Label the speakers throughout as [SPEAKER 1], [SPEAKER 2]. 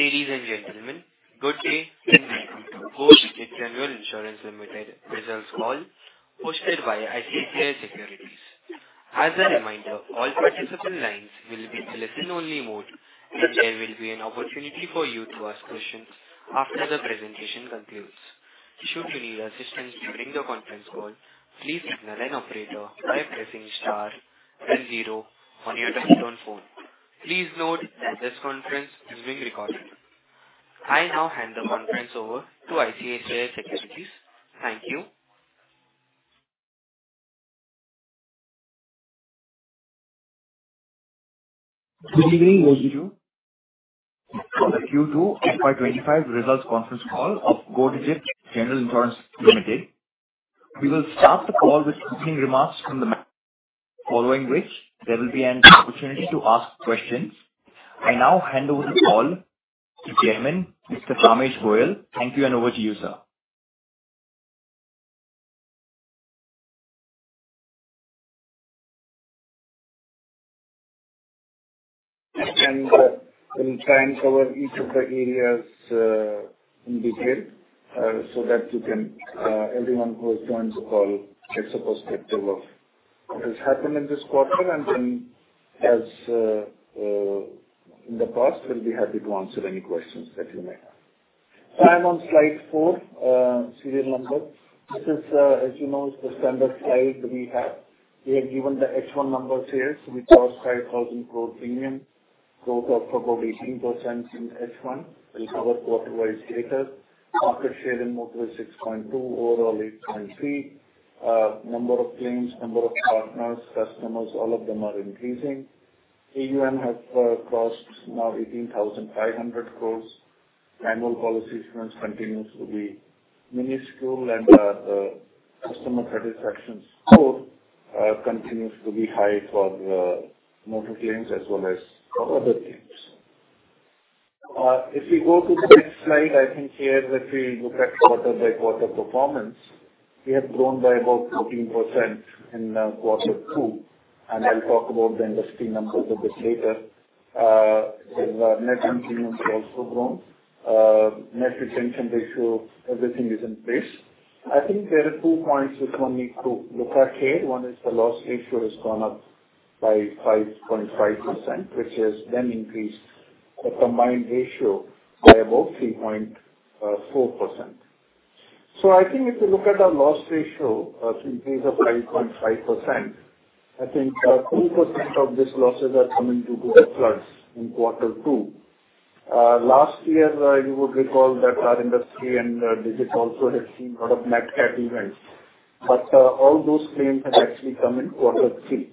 [SPEAKER 1] Ladies and gentlemen, good day, and welcome to Go Digit General Insurance Limited results call hosted by ICICI Securities. As a reminder, all participant lines will be in listen-only mode, and there will be an opportunity for you to ask questions after the presentation concludes. Should you need assistance during the conference call, please signal an operator by pressing star then zero on your telephone. Please note that this conference is being recorded. I now hand the conference over to ICICI Securities. Thank you. Good evening, over to you. For the Q2 FY 2025 results conference call of Go Digit General Insurance Limited. We will start the call with opening remarks from the following which there will be an opportunity to ask questions. I now hand over the call to Chairman, Mr. Kamesh Goyal. Thank you, and over to you, sir.
[SPEAKER 2] We'll try and cover each of the areas in detail so that everyone who has joined the call gets a perspective of what has happened in this quarter. Then, as in the past, we'll be happy to answer any questions that you may have. I'm on slide four, serial number. This is, as you know, the standard slide we have. We have given the H1 numbers here. We crossed 5,000 crore premium, growth of about 18% in H1. We'll cover quarter-wise data. Market share in motor is 6.2%, overall, 3.3%. Number of claims, number of partners, customers, all of them are increasing. AUM has crossed now 18,500 crores. Annual policy issuance continues to be minuscule, and the customer satisfaction score continues to be high for the motor claims as well as for other claims. If we go to the next slide, I think here, if we look at quarter-by-quarter performance, we have grown by about 14% in quarter two, and I'll talk about the industry numbers a bit later. The net new premiums have also grown. Net retention ratio, everything is in place. I think there are two points which one need to look at here. One is the loss ratio has gone up by 5.5%, which has then increased the combined ratio by about 3.4%. So I think if you look at our loss ratio, increase of 5.5%, I think, 2% of these losses are coming due to the floods in quarter two. Last year, you would recall that our industry and Digit's also had seen a lot of Nat Cat events, but all those claims had actually come in quarter three.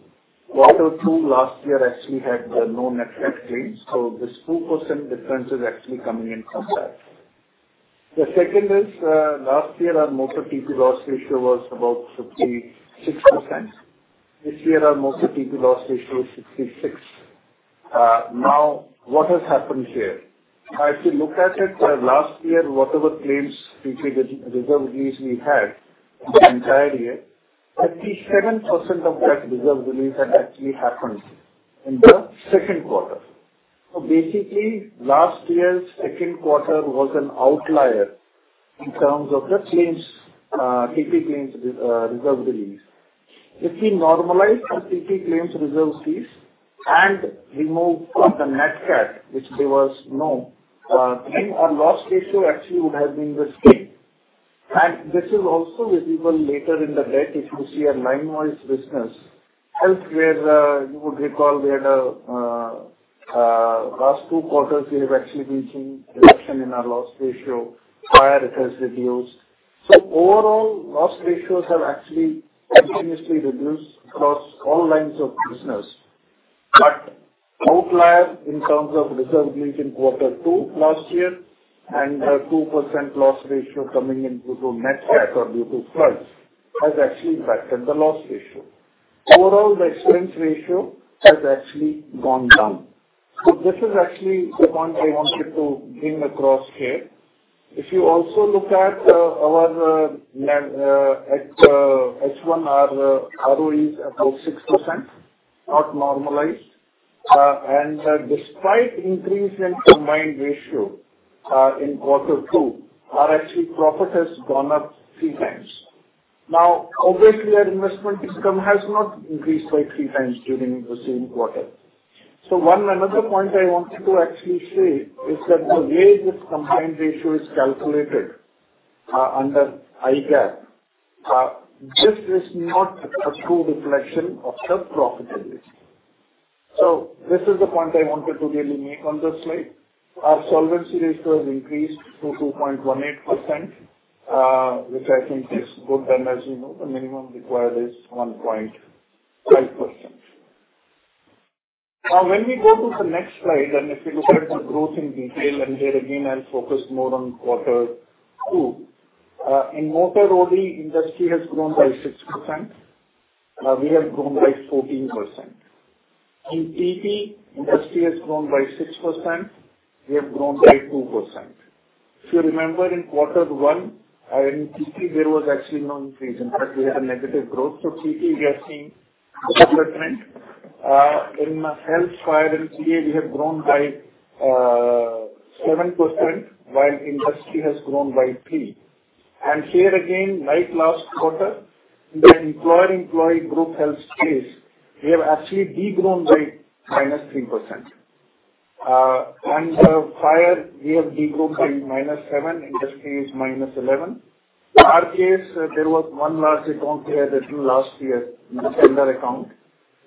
[SPEAKER 2] Quarter two last year actually had no Nat Cat claims, so this 2% difference is actually coming in from that. The second is, last year our motor TP loss ratio was about 56%. This year, our motor TP loss ratio is 66%. Now, what has happened here? If you look at it, last year, whatever claims reserve release we had in the entire year, 57% of that reserve release had actually happened in the second quarter. Basically, last year's second quarter was an outlier in terms of the claims, TP claims, reserve release. If we normalize our TP claims reserve release and remove the Nat Cat, which there was no, then our loss ratio actually would have been the same, and this is also visible later in the deck, if you see our line-wise business, health, where you would recall we had a last two quarters, we have actually seen a reduction in our loss ratio, prior reserves reduced. Overall, loss ratios have actually continuously reduced across all lines of business, but outlier in terms of reserve release in quarter two last year and a 2% loss ratio coming in due to Nat Cat or due to floods has actually affected the loss ratio. Overall, the expense ratio has actually gone down. So this is actually the point I wanted to bring across here. If you also look at our net at H1, our ROE is about 6%, not normalized. And despite increase in combined ratio in quarter two, our actually profit has gone up three times. Now, obviously, our investment income has not increased by three times during the same quarter. So one another point I wanted to actually say is that the way this combined ratio is calculated under IGAAP, this is not a true reflection of the profitability. So this is the point I wanted to really make on this slide. Our solvency ratio has increased to 2.18%, which I think is good. And as you know, the minimum required is 1.5%. Now, when we go to the next slide, and if you look at the growth in detail, and here again, I'll focus more on quarter two. In motor only, industry has grown by 6%. We have grown by 14%. In TP, industry has grown by 6%, we have grown by 2%. If you remember, in quarter one, in TP, there was actually no increase. In fact, we had a negative growth. So TP, we are seeing improvement. In Health, Fire and PA, we have grown by 7%, while industry has grown by 3%. And here again, like last quarter, in the employer-employee group health space, we have actually de-grown by minus 3%. And the fire, we have de-grown by minus 7%, industry is minus 11%. In our case, there was one large account we had added last year, in the tender account,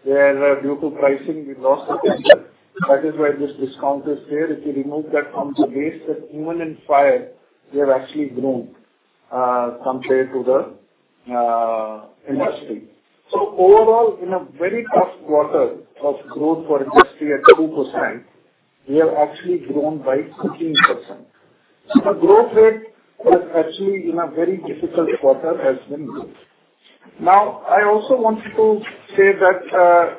[SPEAKER 2] where due to pricing, we lost the business. That is why this discount is there. If you remove that from the base, that even in fire, we have actually grown, compared to the industry. So overall, in a very tough quarter of growth for industry at 2%, we have actually grown by 14%. So the growth rate was actually in a very difficult quarter, has been good. Now, I also wanted to say that,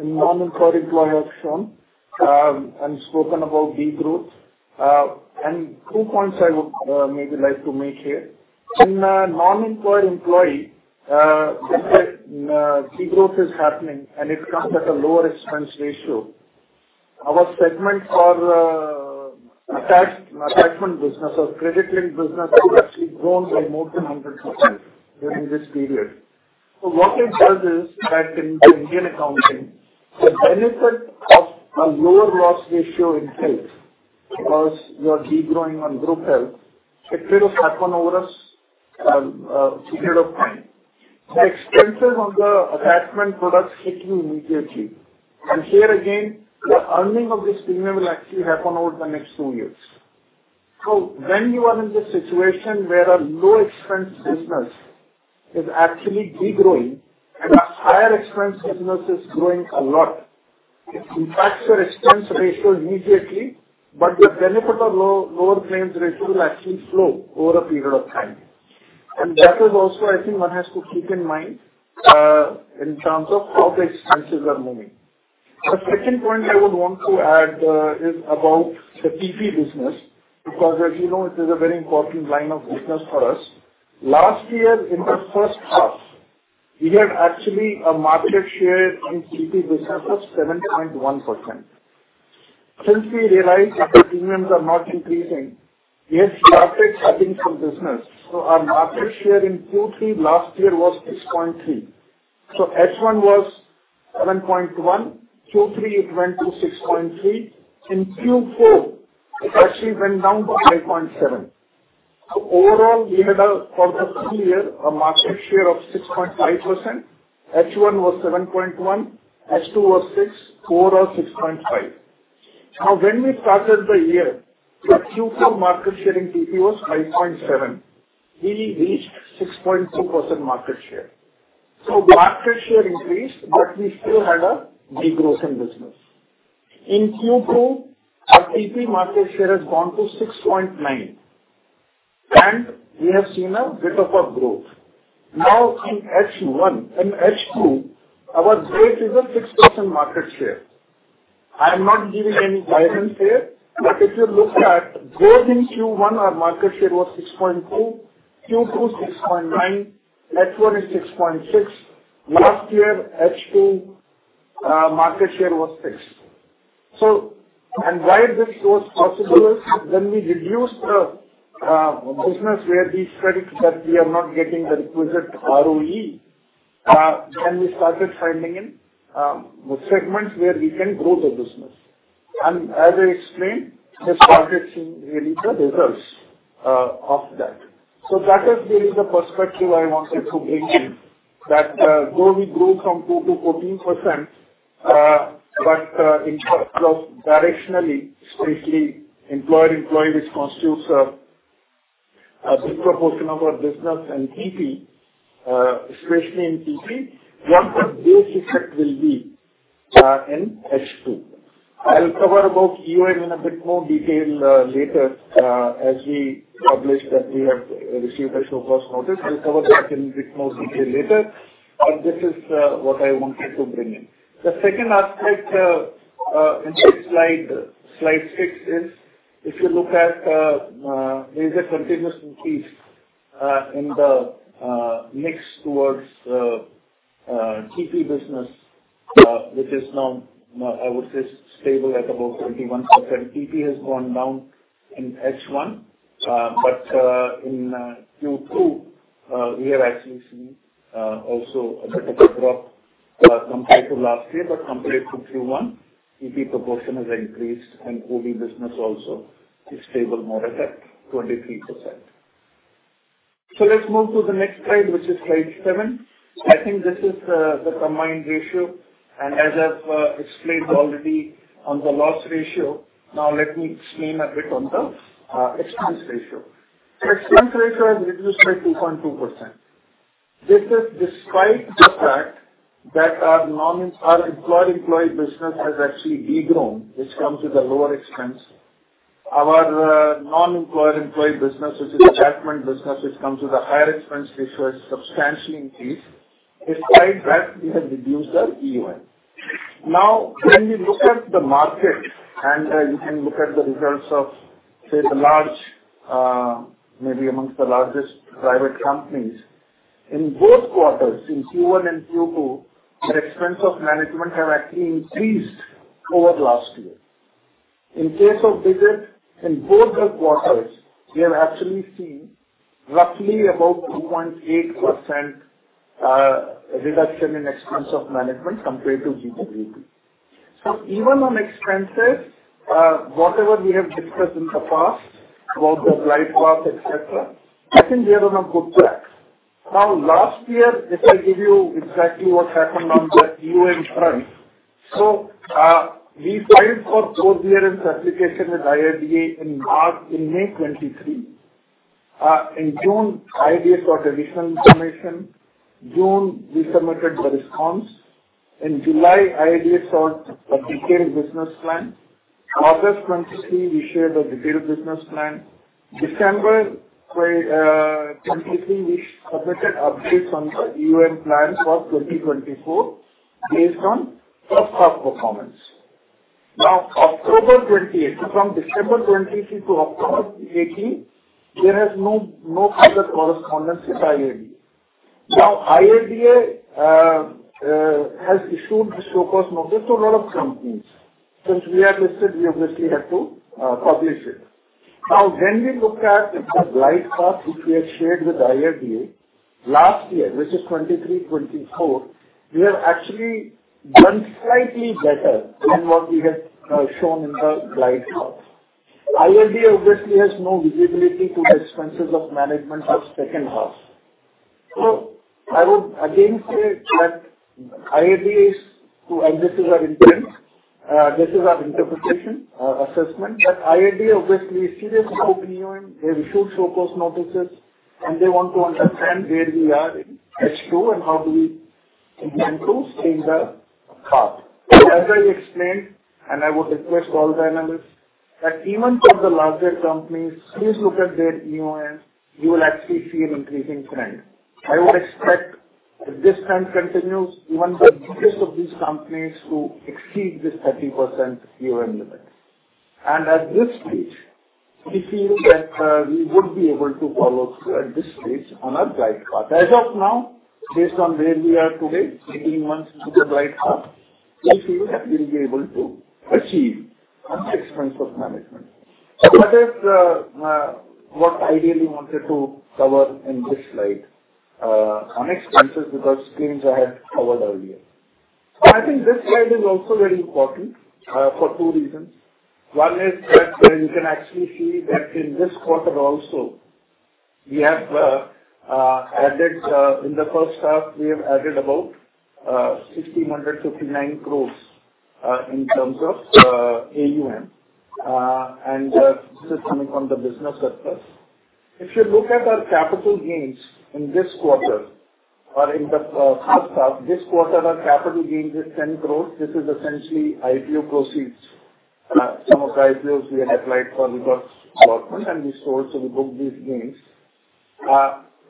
[SPEAKER 2] in employer-employee have shown, and spoken about de-growth. And two points I would, maybe like to make here. In employer-employee, de-growth is happening, and it comes at a lower expense ratio. Our segment for attachment business or credit link business has actually grown by more than 100% during this period. So what it does is that in Indian accounting, the benefit of a lower loss ratio in health because you are de-growing on group health will happen over a period of time. The expenses on the attachment products hit you immediately. And here again, the earning of this premium will actually happen over the next two years. So when you are in this situation where a low expense business is actually de-growing and a higher expense business is growing a lot, it impacts your expense ratio immediately, but the benefit of lower claims ratio will actually flow over a period of time. And that is also, I think, one has to keep in mind, in terms of how the expenses are moving. The second point I would want to add is about the TP business, because as you know, it is a very important line of business for us. Last year, in the first half, we had actually a market share in TP business of 7.1%. Since we realized that the premiums are not increasing, we have started cutting some business. So our market share in Q3 last year was 6.3%. So H1 was 7.1%, Q3 it went to 6.3%. In Q4, it actually went down to 5.7%. So overall, we had, for the full year, a market share of 6.5%. H1 was 7.1%, H2 was 6.4% or 6.5%. Now, when we started the year, the Q4 market share in TP was 5.7%. We reached 6.2% market share. So market share increased, but we still had a de-growth in business. In Q2, our TP market share has gone to 6.9%, and we have seen a bit of a growth. Now, in H1 and H2, our growth is a 6% market share. I am not giving any guidance here, but if you look at growth in Q1, our market share was 6.2%, Q2, 6.9%, H1 is 6.6%. Last year, H2, market share was 6%. So, and why this was possible is when we reduced the business where these credits that we are not getting the requisite ROE, then we started finding in segments where we can grow the business. As I explained, we started seeing really the results of that. So that is really the perspective I wanted to bring in, that though we grew from 2% to 14%, but in terms of directionally, especially employer-employee, which constitutes a big proportion of our business and TP, especially in TP, what the base effect will be in H2. I'll cover about EOM in a bit more detail later, as we published that we have received a show cause notice. We'll cover that in a bit more detail later, but this is what I wanted to bring in. The second aspect, in this slide, slide six, is if you look at, there is a continuous increase, in the, mix towards, TP business, which is now, I would say, stable at about 31%. TP has gone down in H1, but, in, Q2, we are actually seeing, also a bit of a drop, compared to last year. But compared to Q1, TP proportion has increased, and OD business also is stable more at 23%. So let's move to the next slide, which is slide seven. I think this is, the combined ratio, and as I've, explained already on the loss ratio, now let me explain a bit on the, expense ratio. Expense ratio has reduced by 2.2%. This is despite the fact that our employer-employee business has actually de-grown, which comes with a lower expense. Our non-employer-employee business, which is attachment business, which comes with a higher expense ratio, has substantially increased. Despite that, we have reduced the EOM. Now, when we look at the market and you can look at the results of, say, the large, maybe amongst the largest private companies, in both quarters, in Q1 and Q2, their expense of management have actually increased over last year. In case of ICICI, in both the quarters, we have actually seen roughly about 2.8% reduction in expense of management compared to GWP. So even on expenses, whatever we have discussed in the past about the glide path, et cetera, I think we are on a good track. Now, last year, if I give you exactly what happened on the EOM front. So, we filed for forbearance application with IRDAI in March - in May 2023. In June, IRDAI sought additional information. June, we submitted the response. In July, IRDAI sought a detailed business plan. August 2023, we shared a detailed business plan. December 2023, we submitted updates on the EOM plans for 2024, based on first half performance. Now, October 28, so from December 2023 to October 18, there is no further correspondence with IRDAI. Now, IRDAI has issued a show cause notice to a lot of companies. Since we are listed, we obviously have to publish it. Now, when we look at the glide path, which we had shared with IRDAI last year, which is 2023, 2024, we have actually done slightly better than what we had shown in the glide path. IRDAI obviously has no visibility to the expenses of management for second half. So I would again say that IRDAI is, and this is our intent, this is our interpretation, assessment, that IRDAI obviously is serious about reviewing. They've issued show cause notices, and they want to understand where we are in H2 and how do we improve in the half. As I explained, and I would request all the analysts, that even for the larger companies, please look at their EOM, you will actually see an increasing trend. I would expect, if this trend continues, even the biggest of these companies to exceed this 30% EOM limit. And at this stage, we feel that we would be able to follow through at this stage on our glide path. As of now, based on where we are today, 18 months into the glide path, we feel that we'll be able to achieve on the expenses of management. So that is what I really wanted to cover in this slide on expenses, because claims I have covered earlier. So I think this slide is also very important for two reasons. One is that you can actually see that in this quarter also, we have added in the first half about 1,659 crores in terms of AUM, and this is coming from the business surplus. If you look at our capital gains in this quarter or in the first half, this quarter, our capital gains is 10 crores. This is essentially IPO proceeds. Some of the IPOs we had applied for reverse allotment, and we sold, so we booked these gains.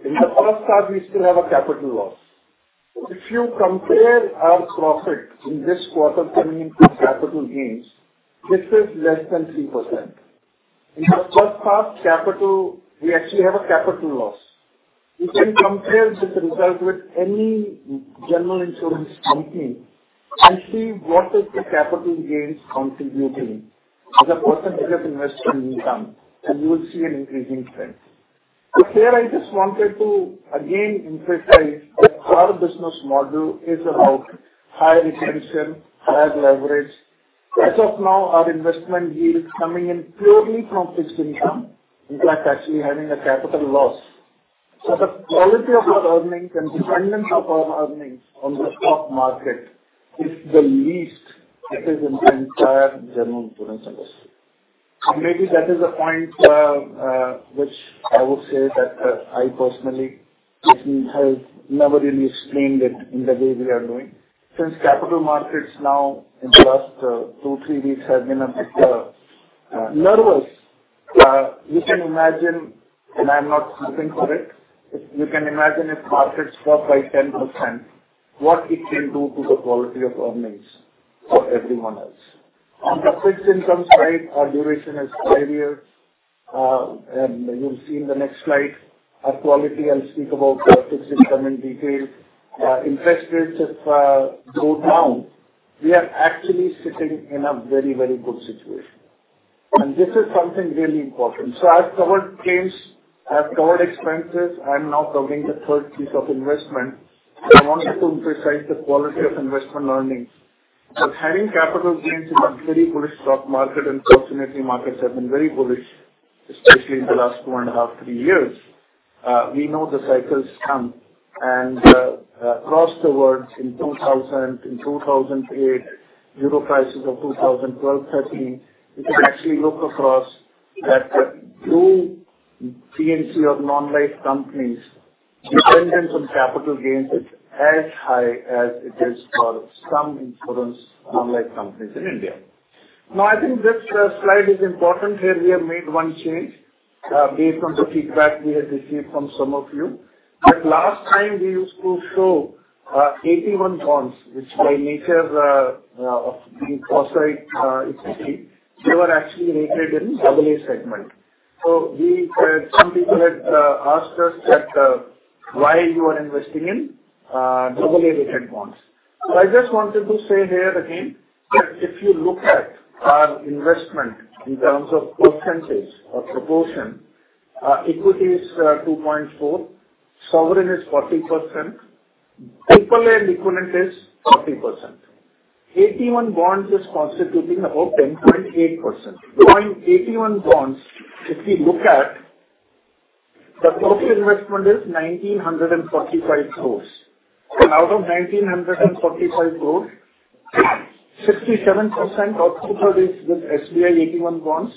[SPEAKER 2] In the first half, we still have a capital loss. If you compare our profit in this quarter coming into capital gains, this is less than 3%. In the first half capital, we actually have a capital gain capital loss. You can compare this result with any general insurance company and see what is the capital gains contributing as a percentage of investment income, and you will see an increasing trend. So here I just wanted to again emphasize that our business model is about higher retention, higher leverage. As of now, our investment yield is coming in purely from fixed income, in fact, actually having a capital loss. So the quality of our earnings and dependence of our earnings on the stock market is the least it is in the entire general insurance industry, and maybe that is a point, which I would say that, I personally has never really explained it in the way we are doing. Since capital markets now in the last two, three weeks have been a bit nervous, you can imagine, and I'm not looking for it. You can imagine if markets fall by 10%, what it will do to the quality of earnings for everyone else. On the fixed income side, our duration is five years, and you'll see in the next slide, our quality. I'll speak about the fixed income in detail. If interest rates go down, we are actually sitting in a very, very good situation. And this is something really important. So I've covered claims, I've covered expenses, I'm now covering the third piece of investment. I wanted to emphasize the quality of investment earnings. But having capital gains in a very bullish stock market, and fortunately, markets have been very bullish, especially in the last two and a half, three years. We know the cycles come and across the world in two thousand, in two thousand and eight, euro crisis of two thousand and twelve, thirteen, you can actually look across that the true PNC of non-life companies, dependence on capital gains is as high as it is for some insurance non-life companies in India. Now, I think this slide is important. Here we have made one change based on the feedback we have received from some of you. But last time we used to show AT1 bonds, which by nature of being quasi-equity, they were actually rated in AA segment. So some people had asked us that why you are investing in AA rated bonds. So I just wanted to say here again, that if you look at our investment in terms of percentage or proportion, equity is 2.4%, sovereign is 40%, triple A and equivalent is 40%. AT1 bonds is constituting about 10.8%. Now, in AT1 bonds, if we look at, the total investment is 1,945 crores. Out of 1,945 crores, 67% of total is with SBI AT1 bonds,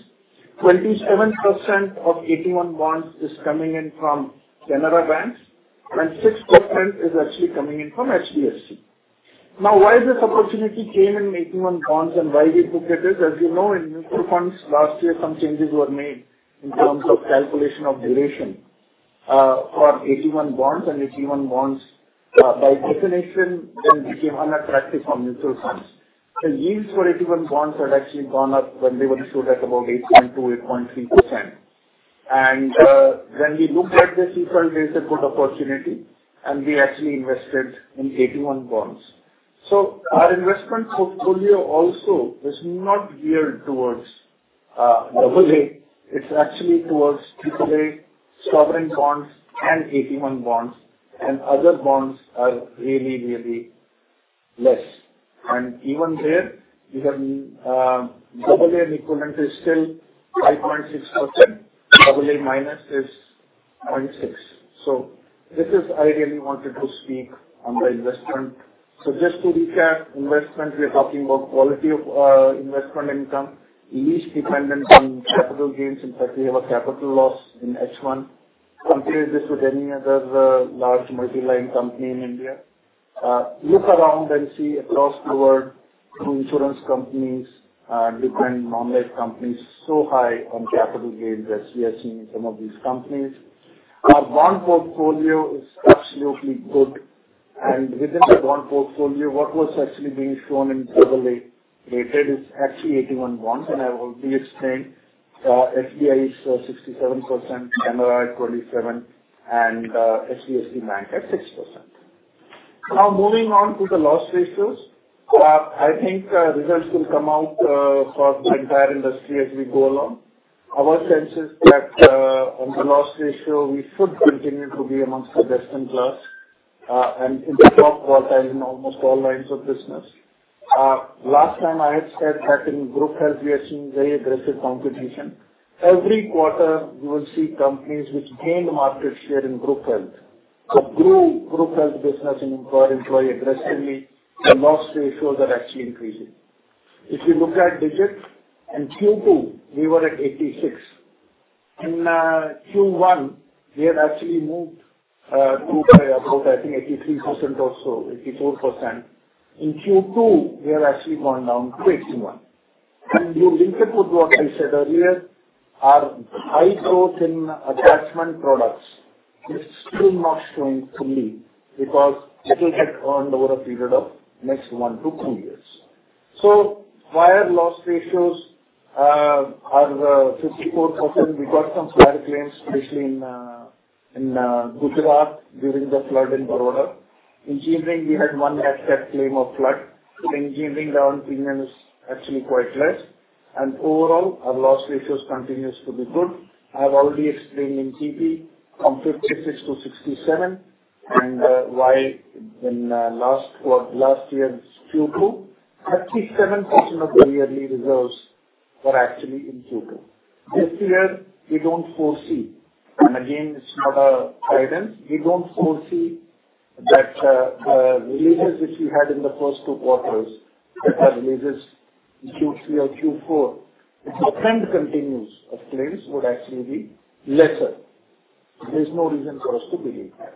[SPEAKER 2] 27% of AT1 bonds is coming in from Canara Bank, and 6% is actually coming in from HDFC. Now, why this opportunity came in AT1 bonds and why we look at it? As you know, in mutual funds last year, some changes were made in terms of calculation of duration for AT1 bonds, and AT1 bonds, by definition, then became unattractive from mutual funds. The yields for AT1 bonds had actually gone up when they were issued at about 8.2%, 8.3%. When we looked at this, we felt it is a good opportunity, and we actually invested in AT1 bonds. Our investment portfolio also is not geared towards double A, it's actually towards triple A, sovereign bonds and AT1 bonds, and other bonds are really, really less. And even there, you can double A and equivalent is still 5.6%, double A minus is 0.6%. So this is, I really wanted to speak on the investment. Just to recap, investment, we are talking about quality of investment income, least dependent on capital gains. In fact, we have a capital loss in H1. Compare this with any other large multi-line company in India. Look around and see across the world, through insurance companies, different non-life companies, so high on capital gains as we are seeing in some of these companies. Our bond portfolio is absolutely good, and within the bond portfolio, what was actually being shown in double A rated is actually AT1 bonds, and I will be explaining, SBI is 67%, Canara at 27%, and, HDFC Bank at 6%. Now, moving on to the loss ratios. I think, results will come out, for the entire industry as we go along. Our sense is that, on the loss ratio, we should continue to be amongst the best in class, and in the top quartile in almost all lines of business. Last time I had said that in group health, we are seeing very aggressive competition. Every quarter, you will see companies which gain market share in group health. So grow group health business and employer employee aggressively, the loss ratios are actually increasing. If you look at Digit's, in Q2, we were at 86%. In Q1, we have actually moved group by about, I think, 83% or so, 84%. In Q2, we have actually gone down to 81%. And you link it with what I said earlier, our high growth in attachment products is still not showing fully because it will get earned over a period of next one to two years. So higher loss ratios are 54%. We got some flood claims, especially in Gujarat, during the flood in Baroda. In general, we had one excess claim of flood. So in general, the opinion is actually quite less, and overall, our loss ratios continues to be good. I've already explained in TP from 56 to 67, and while in last year's Q2, 37% of the yearly reserves were actually in Q2. This year, we don't foresee, and again, it's not a guidance. We don't foresee that releases which we had in the first two quarters, that are releases in Q3 or Q4, if the trend continues of claims, would actually be lesser. There's no reason for us to believe that.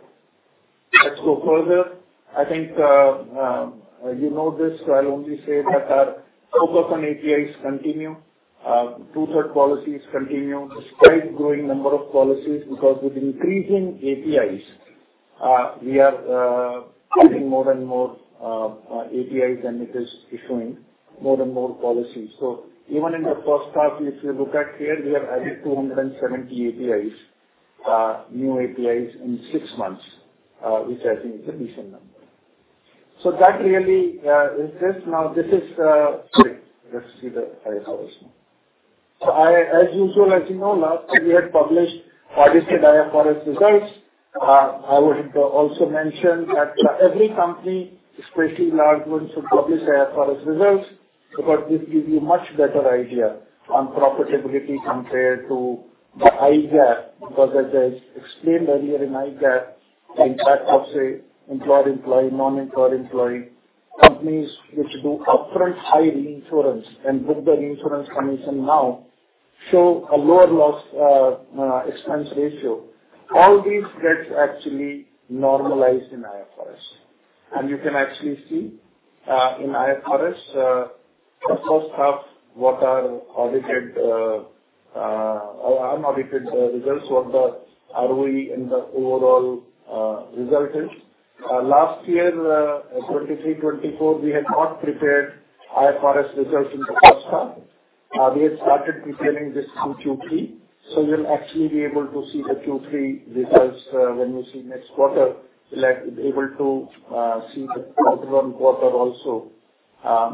[SPEAKER 2] Let's go further. I think you know this, so I'll only say that our focus on APIs continue, two-third policies continue, despite growing number of policies, because with increasing APIs, we are getting more and more APIs, and it is issuing more and more policies. So even in the first half, if you look at here, we have added 270 APIs, new APIs in six months, which I think is a decent number. So that really is this. Now, this is, let's see the IFRS. As usual, as you know, last year we had published audited IFRS results. I would also mention that every company, especially large ones, should publish IFRS results, because this gives you much better idea on profitability compared to the IFRS. Because as I explained earlier in IFRS, the impact of, say, employed, employee, non-employed, employee, companies which do upfront high reinsurance and with the reinsurance commission now show a lower loss, expense ratio. All these gets actually normalized in IFRS. You can actually see, in IFRS, the first half, what are audited, or unaudited, results, what the are we in the overall, result is. Last year, 2023, 2024, we had not prepared IFRS results in the first half. We had started preparing this Q2, Q3. So you'll actually be able to see the Q3 results, when you see next quarter. We'll be able to see the current quarter also,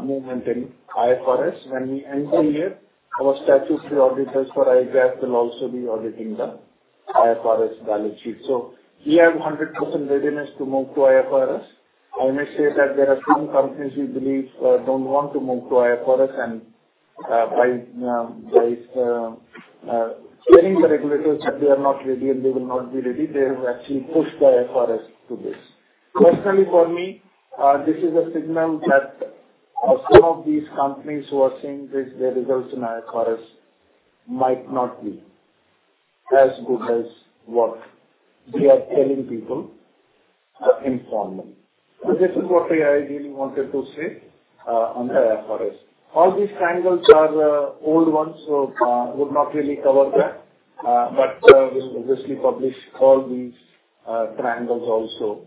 [SPEAKER 2] movement in IFRS. When we enter here, our statutory auditors for IFRS will also be auditing the IFRS balance sheet. So we have 100% readiness to move to IFRS. I may say that there are some companies we believe don't want to move to IFRS and by telling the regulators that they are not ready and they will not be ready, they will actually push the IFRS to this. Personally, for me, this is a signal that some of these companies who are seeing this, their results in IFRS might not be as good as what they are telling people in form. So this is what I ideally wanted to say on the IFRS. All these triangles are old ones, so would not really cover that. But we obviously publish all these triangles also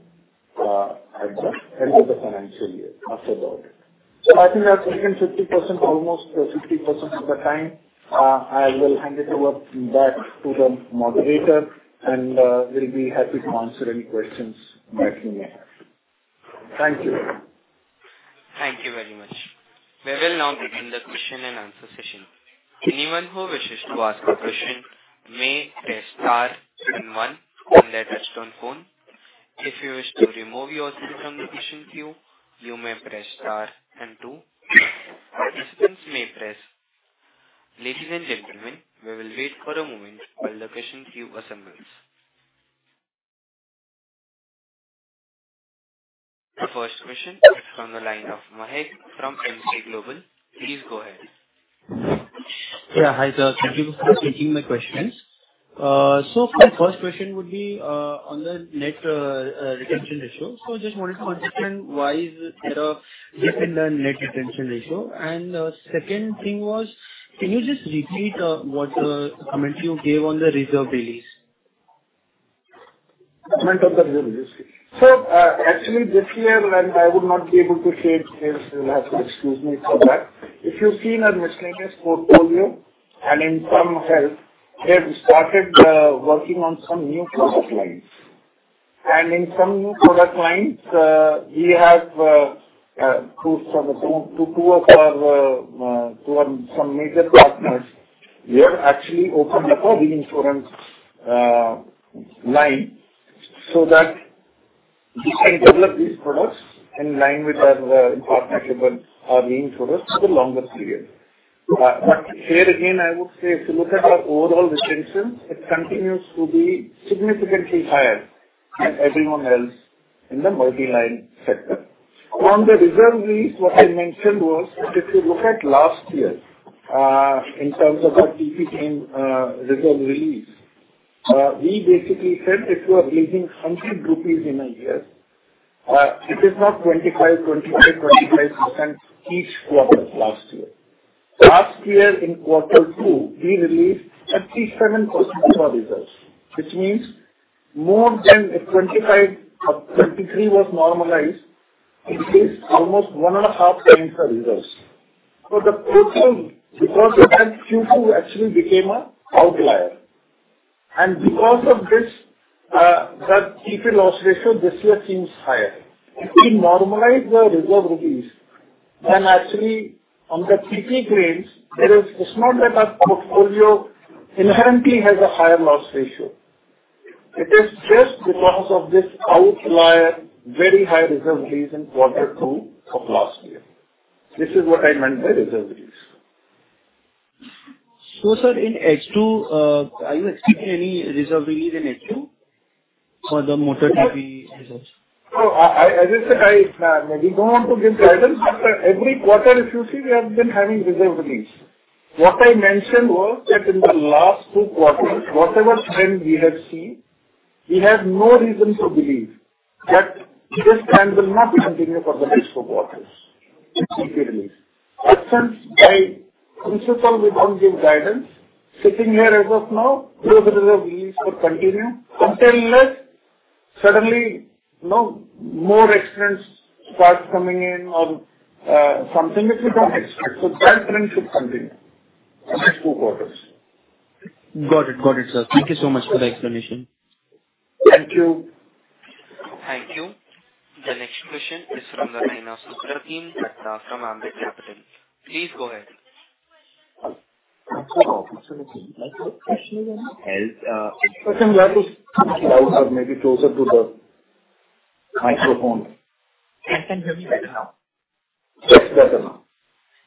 [SPEAKER 2] at the end of the financial year, after the audit. So I think I've taken 50%, almost 60% of the time. I will hand it over back to the moderator, and, we'll be happy to answer any questions that you may have. Thank you.
[SPEAKER 1] Thank you very much. We will now begin the question and answer session. Anyone who wishes to ask a question may press star then one on their touchtone phone. If you wish to remove yourself from the question queue, you may press star and two. Participants may press - Ladies and gentlemen, we will wait for a moment while the question queue assembles. The first question is from the line of Mahek from Emkay Global. Please go ahead.
[SPEAKER 3] Yeah. Hi, sir. Thank you for taking my questions. So my first question would be on the net retention ratio. So just wanted to understand why is there a dip in the net retention ratio? And the second thing was, can you just repeat what comment you gave on the reserve release?
[SPEAKER 2] Comment on the reserve release. Actually, this year, and I would not be able to say it here, so you'll have to excuse me for that. If you've seen our miscellaneous portfolio and in some health, we have started working on some new product lines. And in some new product lines, we have two of our major partners. We have actually opened up a reinsurance line so that we can develop these products in line with our partner, our main product for the longer period. But here again, I would say, if you look at our overall retention, it continues to be significantly higher than everyone else in the multi-line sector. On the reserve release, what I mentioned was, if you look at last year, in terms of the TP, reserve release, we basically said if you are releasing hundred rupees in a year, it is not 25-25-25% each quarter last year. Last year in quarter two, we released 37% of our reserves, which means more than a 25 or 23 was normalized. It is almost one and a half times our reserves. So the profile, because of that, Q2 actually became an outlier. And because of this, the TPA loss ratio this year seems higher. If we normalize the reserve release, then actually on the TPA claims, there is. It's not that our portfolio inherently has a higher loss ratio. It is just because of this outlier, very high reserve release in quarter two of last year. This is what I meant by reserve release.
[SPEAKER 3] Sir, in H2, are you expecting any reserve release in H2 for the motor TP results?
[SPEAKER 2] As I said, we don't want to give guidance. Every quarter, if you see, we have been having reserve release. What I mentioned was that in the last two quarters, whatever trend we have seen, we have no reason to believe that this trend will not continue for the rest of quarters in reserve release. At times, in principle, we don't give guidance. Sitting here as of now, reserve release will continue until, unless suddenly, you know, more claims starts coming in or something which we don't expect. So that trend should continue in the next two quarters.
[SPEAKER 3] Got it. Got it, sir. Thank you so much for the explanation.
[SPEAKER 2] Thank you.
[SPEAKER 1] Thank you. The next question is from the line of Supratim Datta, from Ambit Capital. Please go ahead.
[SPEAKER 2] Can you have to maybe closer to the microphone?
[SPEAKER 4] Can you hear me better now?
[SPEAKER 2] Yes, better now.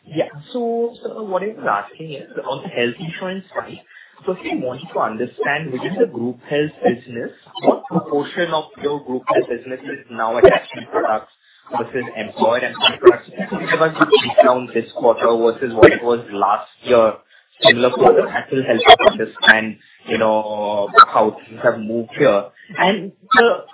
[SPEAKER 4] Yeah. So, sir, what I was asking is on the health insurance side, so if you want to understand within the group health business, what proportion of your group health business is now attachment products versus employer-employee products? Because you're down this quarter versus what it was last year, similar quarter, that will help you understand, you know, how things have moved here. And,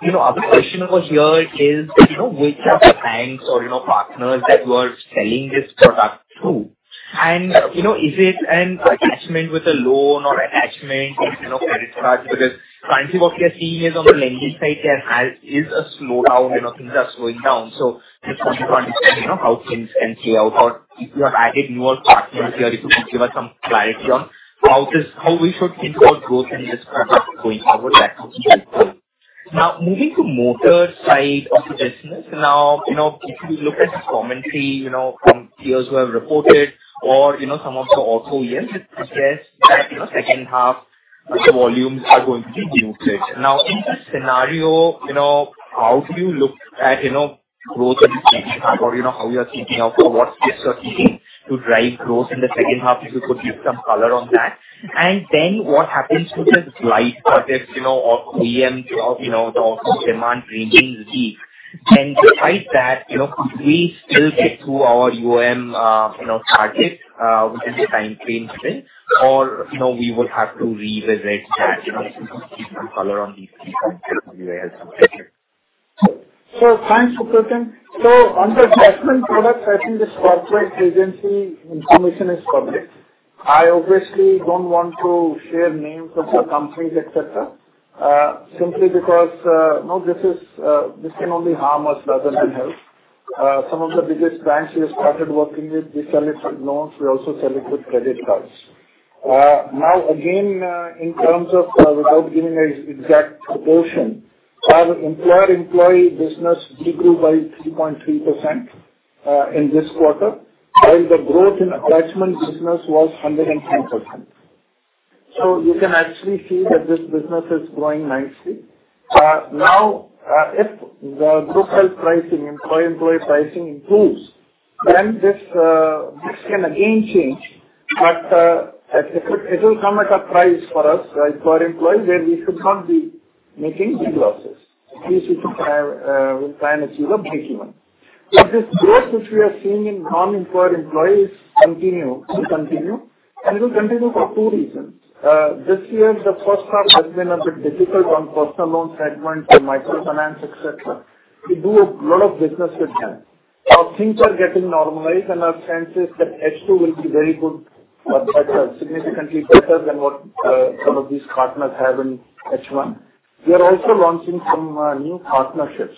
[SPEAKER 4] you know, other question over here is, you know, which are the banks or, you know, partners that you are selling this product to? And, you know, is it an attachment with a loan or attachment with, you know, credit cards? Because frankly, what we are seeing is on the lending side, there is a slowdown, you know, things are slowing down. So just want to understand, you know, how things can play out. Or if you have added newer partners here, if you could give us some clarity on how this, how we should think about growth in this going forward? That would be helpful. Now, moving to motor side of the business. Now, you know, if you look at the commentary, you know, from peers who have reported or, you know, some of the auto OEMs, it suggests that, you know, second half, the volumes are going to be muted. Now, in this scenario, you know, how do you look at, you know, growth in the second half? Or, you know, how you are thinking of what steps you are taking to drive growth in the second half, if you could give some color on that. And then what happens to the glide path that you know, of EOM, if, you know, the demand remains weak. Then despite that, you know, could we still get to our target, you know, within the time frame set? Or, you know, we would have to revisit that. You know, if you could give some color on these three points, that would be very helpful.
[SPEAKER 2] Thanks, Supratim. On the attachment products, I think this corporate agency information is public. I obviously don't want to share names of the companies, et cetera, simply because, you know, this is, this can only harm us rather than help. Some of the biggest banks we have started working with, we sell it with loans, we also sell it with credit cards. Now, again, in terms of, without giving an exact proportion, our employer-employee business grew by 3.3%, in this quarter, while the growth in attachment business was 110%. You can actually see that this business is growing nicely. Now, if the group health pricing, employer-employee pricing improves, then this, this can again change. But it will come at a price for us, employer-employee, where we should not be making big losses. We should try, we will try and achieve a minimum. If this growth which we are seeing in non-employer employees continues, it will continue for two reasons. This year, the first half has been a bit difficult on personal loan segment and microfinance, et cetera. We do a lot of business with them. Now, things are getting normalized, and our sense is that H2 will be very good or better, significantly better than what some of these partners have in H1. We are also launching some new partnerships.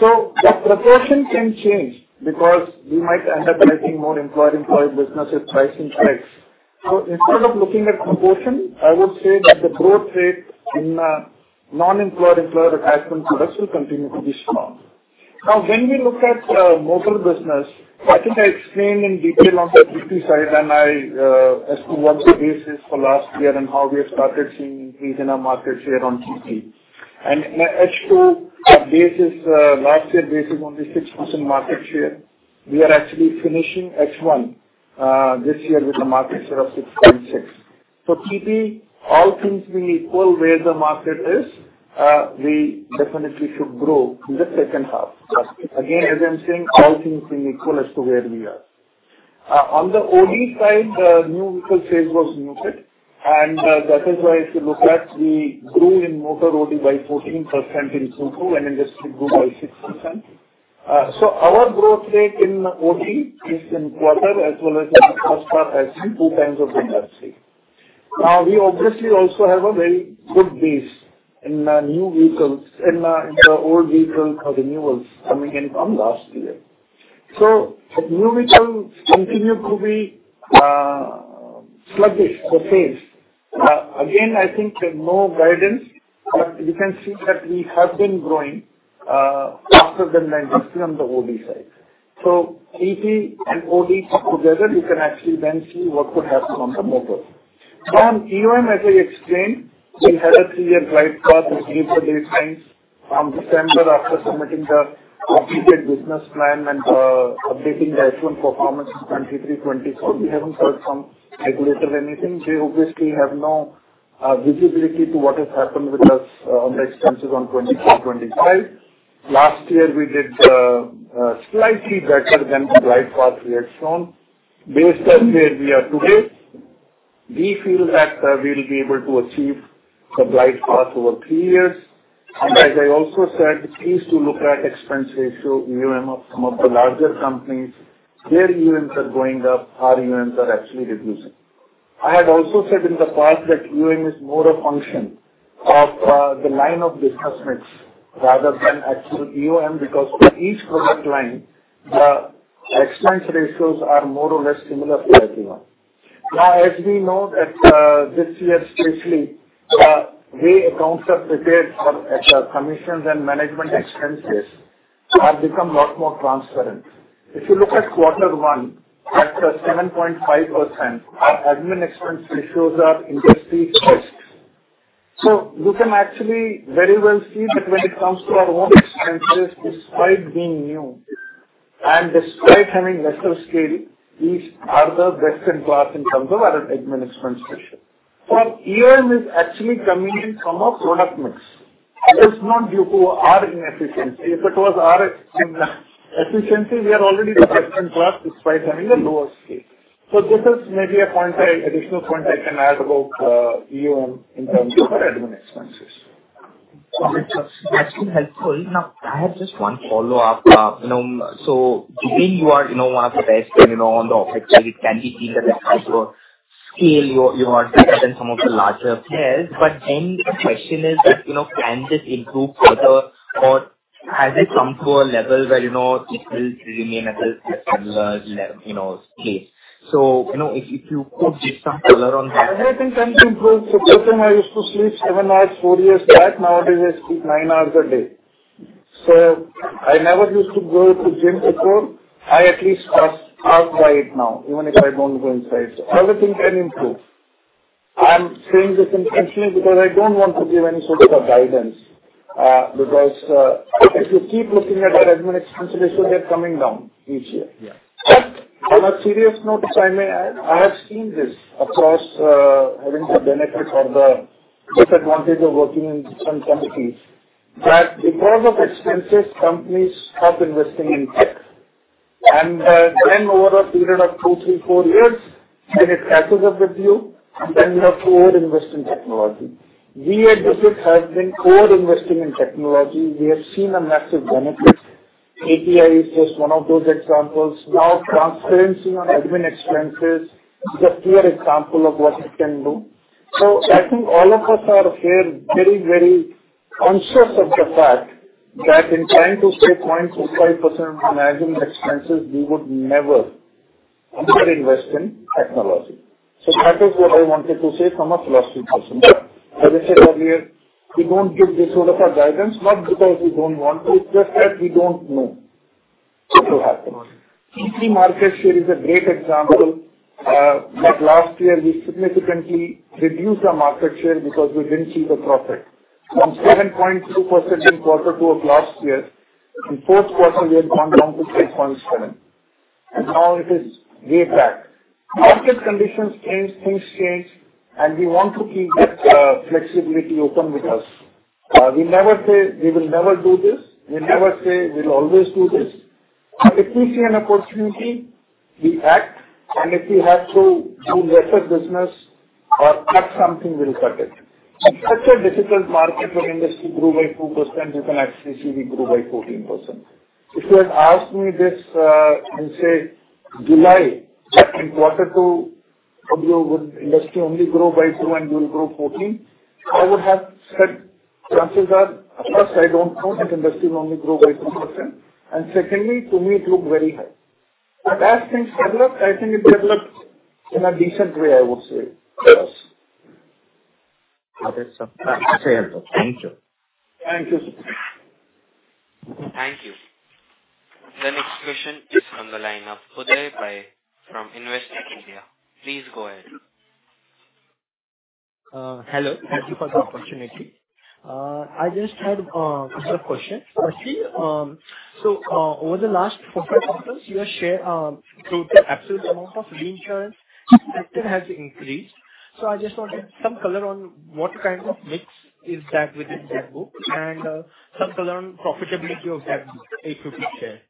[SPEAKER 2] So the proportion can change because we might end up getting more employer-employee businesses pricing strikes. So instead of looking at proportion, I would say that the growth rate in non-employer-employee attachment products will continue to be strong. Now, when we look at motor business, I think I explained in detail on the TP side, and I as to what the base is for last year and how we have started seeing increase in our market share on TP. And in H2, our base is last year base is only 6% market share. We are actually finishing H1 this year with a market share of 6.6. So TP, all things being equal, where the market is, we definitely should grow in the second half. Again, as I'm saying, all things being equal as to where we are. On the OD side, the new vehicle pace was muted, and that is why if you look at, we grew in motor OD by 14% in Q2 and industry grew by 6%. So our growth rate in OD is in quarter as well as in the first half, has been two times of industry. Now, we obviously also have a very good base in, new vehicles, in, in the old vehicle renewals coming in from last year. So new vehicles continue to be, sluggish for pace. Again, I think there's no guidance, but you can see that we have been growing, faster than the industry on the OD side. So TP and OD together, you can actually then see what could happen on the motor. On EOM, as I explained, we had a three-year glide path with deeper deadlines from December after submitting the completed business plan and updating the H1 performance in 2023, 2024. We haven't heard from regulator anything. They obviously have no visibility to what has happened with us on the expenses on 2024, 2025. Last year, we did slightly better than the glide path we had shown. Based on where we are today, we feel that we will be able to achieve the glide path over three years. And as I also said, please to look at expense ratio, EOM of some of the larger companies, their EOMs are going up, our EOMs are actually reducing. I had also said in the past that EOM is more a function of the line of business mix rather than actual EOM, because for each product line, the expense ratios are more or less similar to EOM. Now, as we know that this year, especially, the way accounts are prepared for commissions and management expenses have become a lot more transparent. If you look at quarter one, at the 7.5%, our admin expense ratios are the industry's best. So you can actually very well see that when it comes to our own expenses, despite being new and despite having lesser scale, these are the best in class in terms of our admin expense ratio. The EOM is actually coming in from our product mix. It's not due to our inefficiency. If it was our inefficiency, we are already the best in class despite having a lower scale. So this is maybe a point, an additional point I can add about EOM in terms of our admin expenses....
[SPEAKER 4] That's been helpful. Now, I have just one follow-up. You know, so again, you are, you know, one of the best, and, you know, on the official, it can be seen that your scale, you are, you are better than some of the larger players. But then the question is that, you know, can this improve further, or has it come to a level where, you know, it will remain at a similar level, you know, state? So, you know, if, if you put just some color on that.
[SPEAKER 2] Everything can improve. For example, I used to sleep seven hours four years back. Nowadays, I sleep nine hours a day. So I never used to go to gym before. I at least pass by it now, even if I don't go inside. So everything can improve. I'm saying this intentionally, because I don't want to give any sort of a guidance, because, if you keep looking at admin expenses, they should get coming down each year.
[SPEAKER 4] Yeah.
[SPEAKER 2] On a serious note, if I may add, I have seen this across, having the benefit or the disadvantage of working in some companies, that because of expenses, companies stop investing in tech. Then over a period of two, three, four years, then it catches up with you, and then you have to over-invest in technology. We at Digit have been over-investing in technology. We have seen a massive benefit. API is just one of those examples. Now, transparency on admin expenses is a clear example of what it can do. So I think all of us are here very, very conscious of the fact that in trying to save 0.4%-0.5% on admin expenses, we would never under-invest in technology. So that is what I wanted to say from a philosophy perspective. As I said earlier, we don't give this sort of a guidance, not because we don't want to, it's just that we don't know what will happen. TP market share is a great example, that last year we significantly reduced our market share because we didn't see the profit. From 7.2% in quarter two of last year, in fourth quarter, we had gone down to 6.7%, and now it is way back. Market conditions change, things change, and we want to keep that, flexibility open with us. We never say we will never do this. We never say we'll always do this. If we see an opportunity, we act, and if we have to do lesser business or cut something, we'll cut it. In such a difficult market, for industry to grow by 2%, you can actually see we grew by 14%. If you had asked me this, in, say, July, in quarter two, probably would industry only grow by 2% and we'll grow 14%, I would have said chances are, first, I don't count that industry will only grow by 2%, and secondly, to me, it looked very high. But as things developed, I think it developed in a decent way, I would say.
[SPEAKER 4] Okay, sir. That's helpful. Thank you.
[SPEAKER 2] Thank you.
[SPEAKER 1] Thank you. The next question is from the line of Uday Pai from Investec India. Please go ahead.
[SPEAKER 5] Hello. Thank you for the opportunity. I just had two questions. Firstly, so over the last four, five quarters, your share, so the absolute amount of reinsurance actually has increased. So I just wanted some color on what kind of mix is that within that book and some color on profitability of that book, A to B share.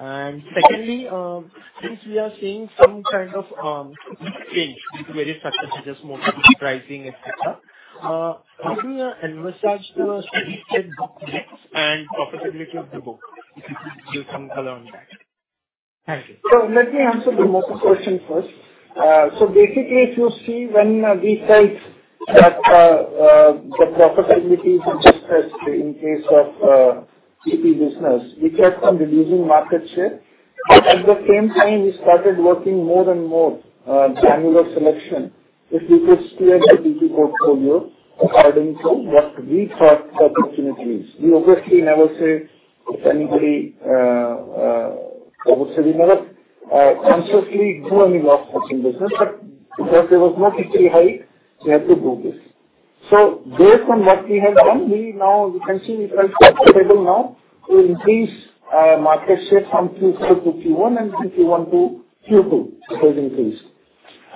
[SPEAKER 5] And secondly, since we are seeing some kind of change in various strategies, more pricing, et cetera, how do you envisage the strategic book mix and profitability of the book? If you can give some color on that. Thank you.
[SPEAKER 2] So let me answer the first question first. So basically, if you see when we felt that the profitability is depressed in case of TP business, we kept on reducing market share. At the same time, we started working more and more granular selection, which we could steer the TP portfolio according to what we thought the opportunity is. We obviously never say no to anybody, obviously, we never consciously do any loss-making business, but because there was no historical high, we had to do this. So based on what we have done, we now you can see we felt comfortable now to increase market share from Q4 to Q1, and from Q1 to Q2, it has increased.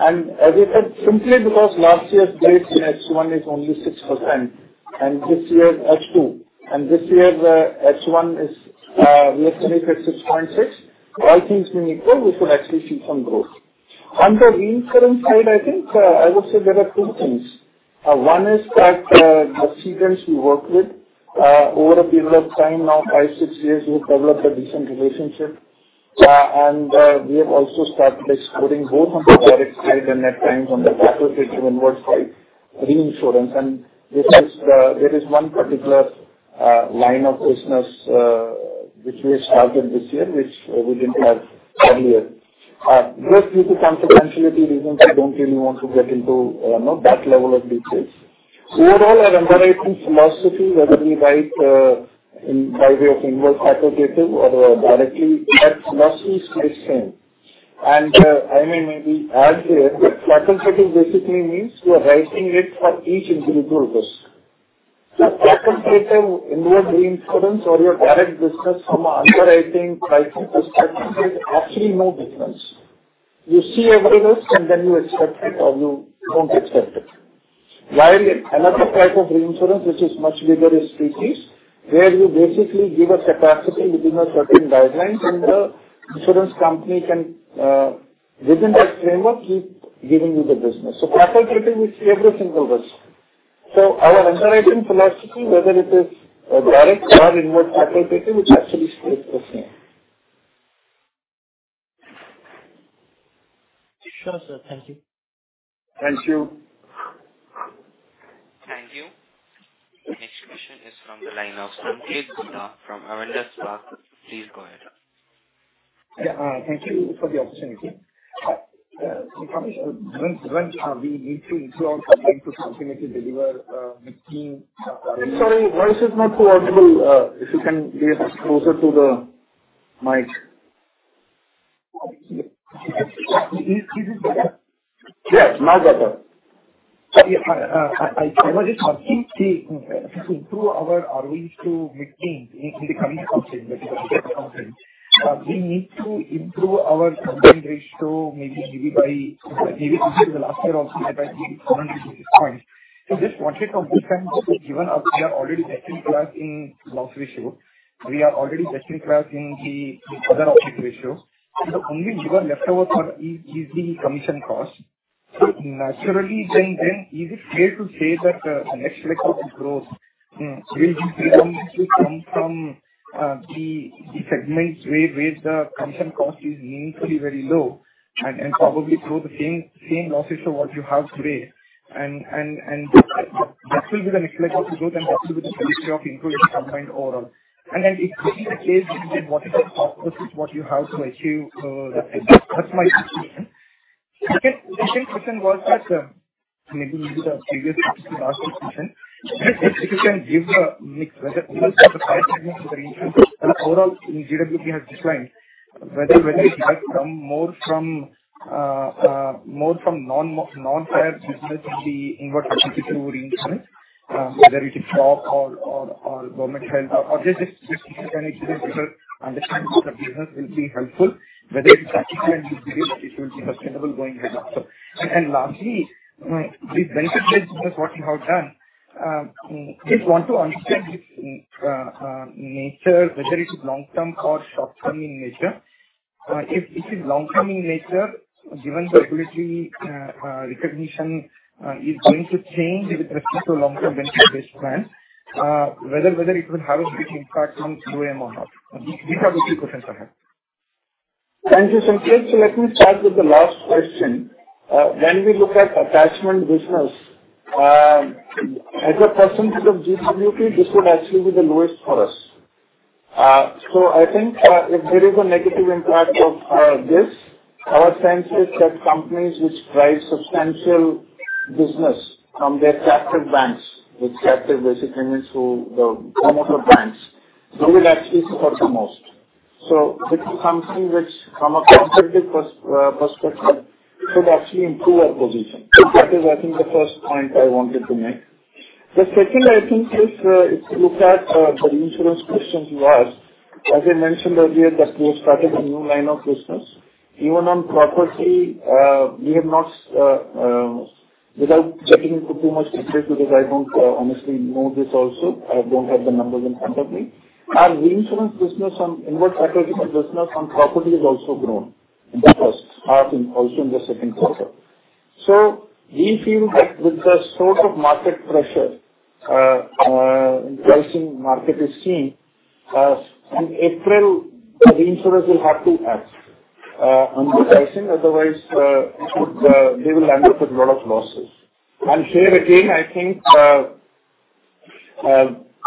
[SPEAKER 2] And as I said, simply because last year's base in H1 is only 6% and this year's H2, and this year's H1 is we have started at 6.6. All things being equal, we should actually see some growth. On the reinsurance side, I think I would say there are two things. One is that the cedants we work with over a period of time, now five, six years, we've developed a decent relationship. And we have also started exploring both on the direct side and at times on the side, what's called reinsurance. And this is there is one particular line of business which we started this year, which we didn't have earlier. Just due to confidentiality reasons, I don't really want to get into you know, that level of details. So overall, our underwriting philosophy, whether we write inward or directly, that philosophy is the same. And I may add here that flat rating basically means you are rating for each individual risk. So flat rating in your reinsurance or your direct business from an underwriting pricing perspective, there's actually no difference. You see every risk, and then you accept it or you don't accept it. While another type of reinsurance, which is much bigger, is treaties where you basically give us a capacity within certain guidelines, and the insurance company can within that framework keep giving you the business. So facultative is every single business. So our underwriting philosophy, whether it is direct or inward facultative, which actually stays the same.
[SPEAKER 5] Sure, sir. Thank you.
[SPEAKER 2] Thank you.
[SPEAKER 1] Thank you. Next question is from the line of Sanketh Godha from Avendus Spark. Please go ahead.
[SPEAKER 6] Yeah, thank you for the opportunity. When we need to improve our combined to continue to deliver, making-
[SPEAKER 2] Sorry, voice is not too audible. If you can be closer to the mic.
[SPEAKER 6] Is it better?
[SPEAKER 2] Yes, now better.
[SPEAKER 6] Yeah. I was just asking, to improve our ROE to mid-teen in the coming quarter, we need to improve our combined ratio, maybe by three hundred basis points, maybe the last year also by 300 basis points. So this quarter from this time, given that we are already best in class in loss ratio, we are already best in class in the expense ratio. So the only lever left over for is the commission cost. So naturally, then is it fair to say that the next leg of growth will be predominantly come from the segments where the commission cost is meaningfully very low, and that will be the next leg of growth, and that will be the trajectory of improving combined overall. And then if this is the case, then what is the target, what you have to achieve, that's my question. The second question was that, maybe a little to the previous question, last question. If you can give the mix, whether the fire segment of the reinsurance and overall GWP has declined, whether it has come more from non-motor, non-fire business in the inward business to reinsurance, whether it is group or government health or just better understanding of the business will be helpful. Whether it's particularly, it will be sustainable going ahead. Lastly, the benefit that what you have done, just want to understand if nature, whether it's long-term or short-term in nature. If it is long-term in nature, given the regulatory recognition is going to change with respect to long-term benefit-based plan, whether it will have a big impact on EOM or not. These are the three questions I have.
[SPEAKER 2] Thank you, Sanket. So let me start with the last question. When we look at attachment business, as a percentage of GWP, this would actually be the lowest for us. So I think, if there is a negative impact of this, our sense is that companies which drive substantial business from their captive banks, which captive basically means to the promoter banks, they will actually suffer the most. So this is something which from a competitive perspective, should actually improve our position. That is, I think, the first point I wanted to make. The second, I think, is, if you look at the reinsurance question you asked, as I mentioned earlier, that we have started a new line of business. Even on property, we have not, without checking into too much detail, because I don't honestly know this also, I don't have the numbers in front of me. Our reinsurance business on inward strategic business on property has also grown, and that was start in also in the second quarter. So we feel that with the sort of market pressure, pricing market is seeing, in April, the insurance will have to act on the pricing, otherwise, it would, they will end up with a lot of losses. And here again, I think,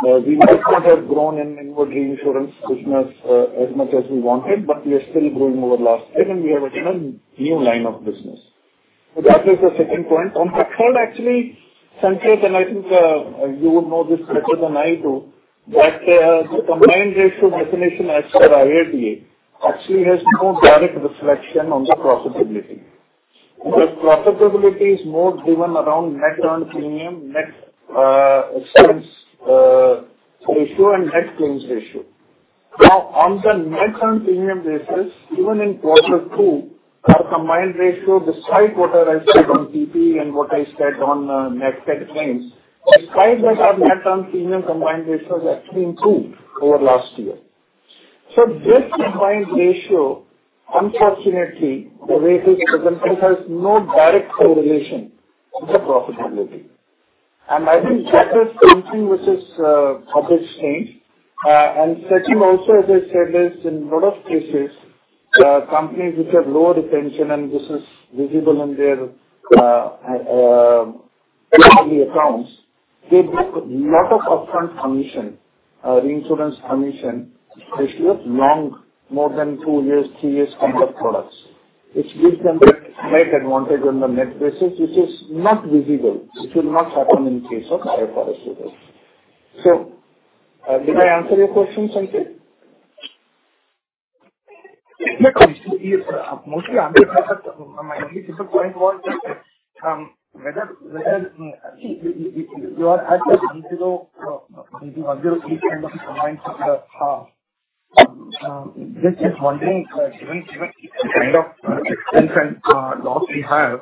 [SPEAKER 2] we might not have grown in inward reinsurance business as much as we wanted, but we are still growing over last year, and we have a new line of business. So that is the second point. On the third, actually, Sanket and I think you would know this better than I do, that the combined ratio definition as per IRDAI actually has no direct reflection on the profitability. The profitability is more driven around net earned premium, net expense ratio, and net claims ratio. Now, on the net earned premium basis, even in quarter two, our combined ratio, despite what I said on CPE and what I said on net claims, despite that, our net earned premium combined ratio has actually improved over last year. So this combined ratio, unfortunately, the way it is presented, has no direct correlation to the profitability, and I think that is something which is published change. And second also, as I said, is in a lot of cases, companies which have lower retention, and this is visible in their accounts, they book a lot of upfront commission, reinsurance commission ratios, long, more than two years, three years, complex products, which gives them a net advantage on the net basis, which is not visible. It will not happen in case of IFRS. So, did I answer your question, Sanket?
[SPEAKER 6] Yes, mostly answered. My only point was whether you are at zero combined with the. Just wondering, given this kind of expense and loss we have,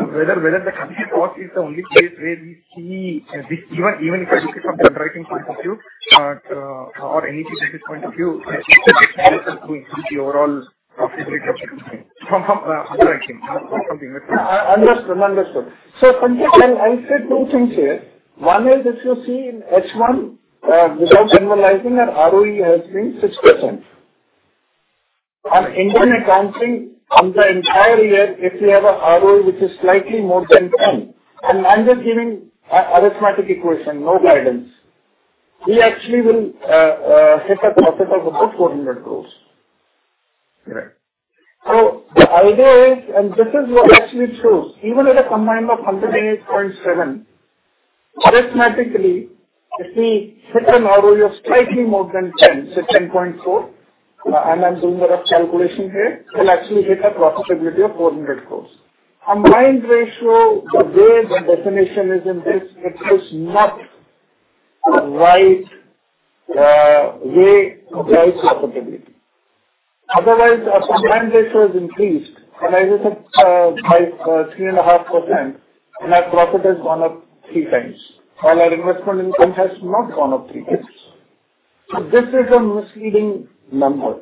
[SPEAKER 6] whether the cost is the only place where we see this, even if I look at from the underwriting point of view, or any point of view, to increase the overall profitability from underwriting or something?
[SPEAKER 2] I understand. Understood. So Sanjay, I'll say two things here. One is, if you see in H1, without generalizing our ROE has been 6%. On Indian accounting, on the entire year, if you have a ROE which is slightly more than 10%, and I'm just giving an arithmetic equation, no guidance. We actually will hit a profit of about INR 400 crores.
[SPEAKER 6] Correct.
[SPEAKER 2] The idea is, and this is what actually shows, even at a combined of 108.7, arithmetically, if we hit an ROE of slightly more than 10, say 10.4, and I'm doing a rough calculation here, we'll actually hit a profitability of 400 crores. A combined ratio, the way the definition is in this, it is not the right way of profitability. Otherwise, our combined ratio has increased by 3.5%, and our profit has gone up three times, while our investment income has not gone up three times. This is a misleading number.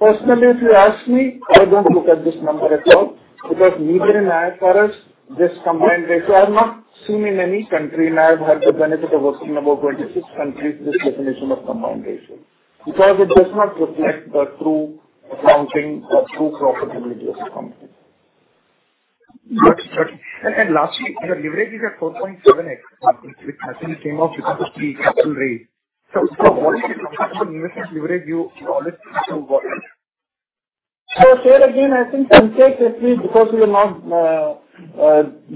[SPEAKER 2] Personally, if you ask me, I don't look at this number at all, because neither in I... For us, this combined ratio, I've not seen in any country, and I've had the benefit of working in about twenty-six countries, this definition of combined ratio, because it does not reflect the true accounting or true profitability of the company.
[SPEAKER 6] Got you. And lastly, your leverage is at 4.7x, which actually came off because of the capital raise. So what is the leverage you call it to work?
[SPEAKER 2] So here again, I think, Sanjay, quickly, because we are not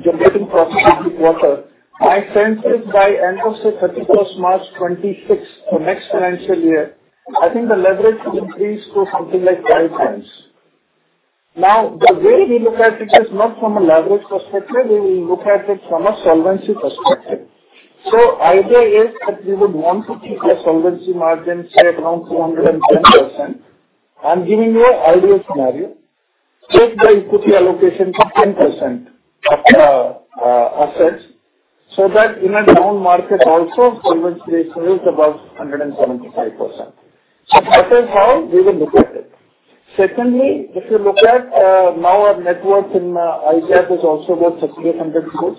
[SPEAKER 2] generating profit every quarter, I sense it by end of, say, thirty-first March 2026, so next financial year, I think the leverage will increase to something like five times. Now, the way we look at it is not from a leverage perspective, we will look at it from a solvency perspective. So idea is that we would want to keep a solvency margin, say, around 210%. I'm giving you an ideal scenario. Take the equity allocation to 10% of assets, so that in a down market also, solvency ratio is above 175%. So that is how we will look at it. Secondly, if you look at now our net worth in IGAAP is also about 6,800 crores.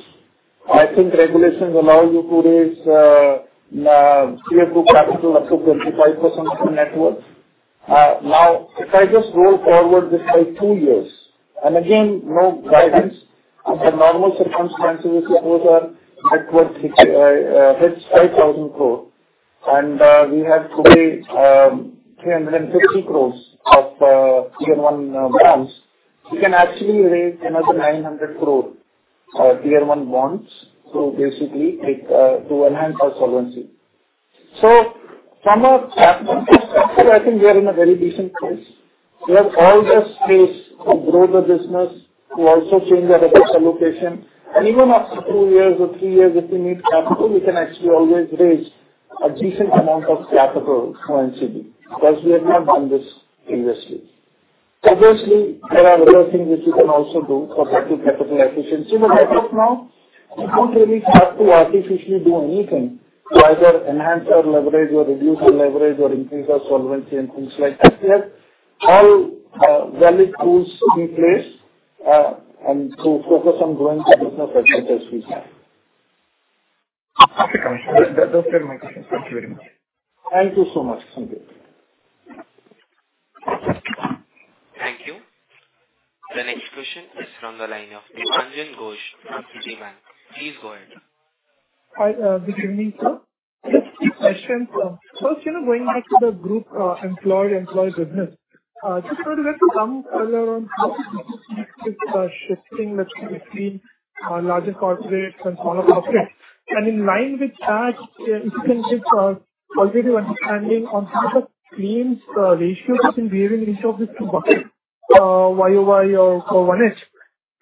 [SPEAKER 2] I think regulations allow you to raise Tier 1 capital up to 25% of the net worth. Now, if I just roll forward this by two years, and again, no guidance, under normal circumstances, suppose our net worth hits 5,000 crore and we have today 350 crores of Tier 1 bonds, we can actually raise another 900 crore Tier 1 bonds to basically to enhance our solvency. So from a capital structure, I think we are in a very decent place. We have all this space to grow the business, to also change our risk allocation, and even after two years or three years, if we need capital, we can actually always raise a decent amount of capital from NCD, because we have not done this previously. Obviously, there are other things which you can also do for better capital efficiency. But as of now, we don't really have to artificially do anything to either enhance our leverage or reduce our leverage or increase our solvency and things like that. We have all valid tools in place, and to focus on growing the business as much as we can.
[SPEAKER 6] Okay, that, those were my questions. Thank you very much.
[SPEAKER 2] Thank you so much, Sanjay.
[SPEAKER 1] Thank you. The next question is from the line of Dipanjan Ghosh from Citibank. Please go ahead.
[SPEAKER 7] Hi, good evening, sir. Just two questions. First, you know, going back to the group employed business, just wanted to get some color on how this is shifting, let's say, between larger corporates and smaller corporates. And in line with that, if you can give a qualitative understanding on how the claims ratios have been behaving in each of these two buckets, YOY or for 1H.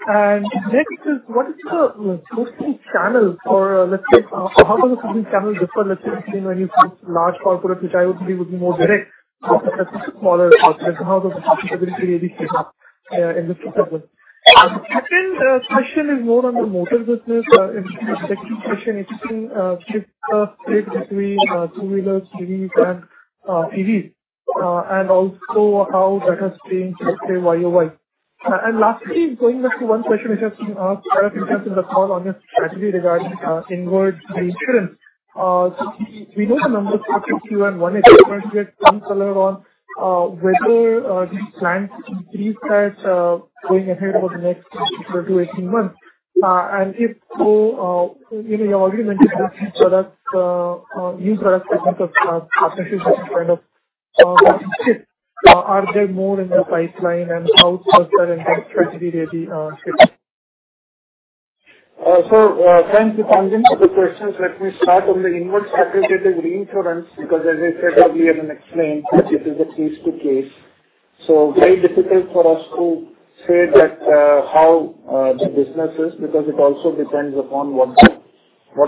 [SPEAKER 7] And next is what is the mostly channel for, let's say, how does the business channel differ, let's say, between when you put large corporate, which would be more direct, versus smaller corporate, how does the profitability really shape up, in this system? The second question is more on the motor business. Second question, if you can shift the split between two-wheelers, threes, and CVs, and also how that has been, let's say, YOY. And lastly, going back to one question which has been asked a few times in the call on your strategy regarding inward reinsurance. So we know the numbers for Q1 and H1, but get some color on whether you plan to increase that going ahead over the next twelve to eighteen months. And if so, you know, you already mentioned a few products, new product types of partnerships, which is kind of shift. Are there more in the pipeline and how faster and how quickly they'll be shipped?
[SPEAKER 2] So, thanks, Manjunath, for the questions. Let me start on the inward facultative reinsurance, because as I said earlier and explained, it is a case-to-case. So very difficult for us to say that, how the business is, because it also depends upon what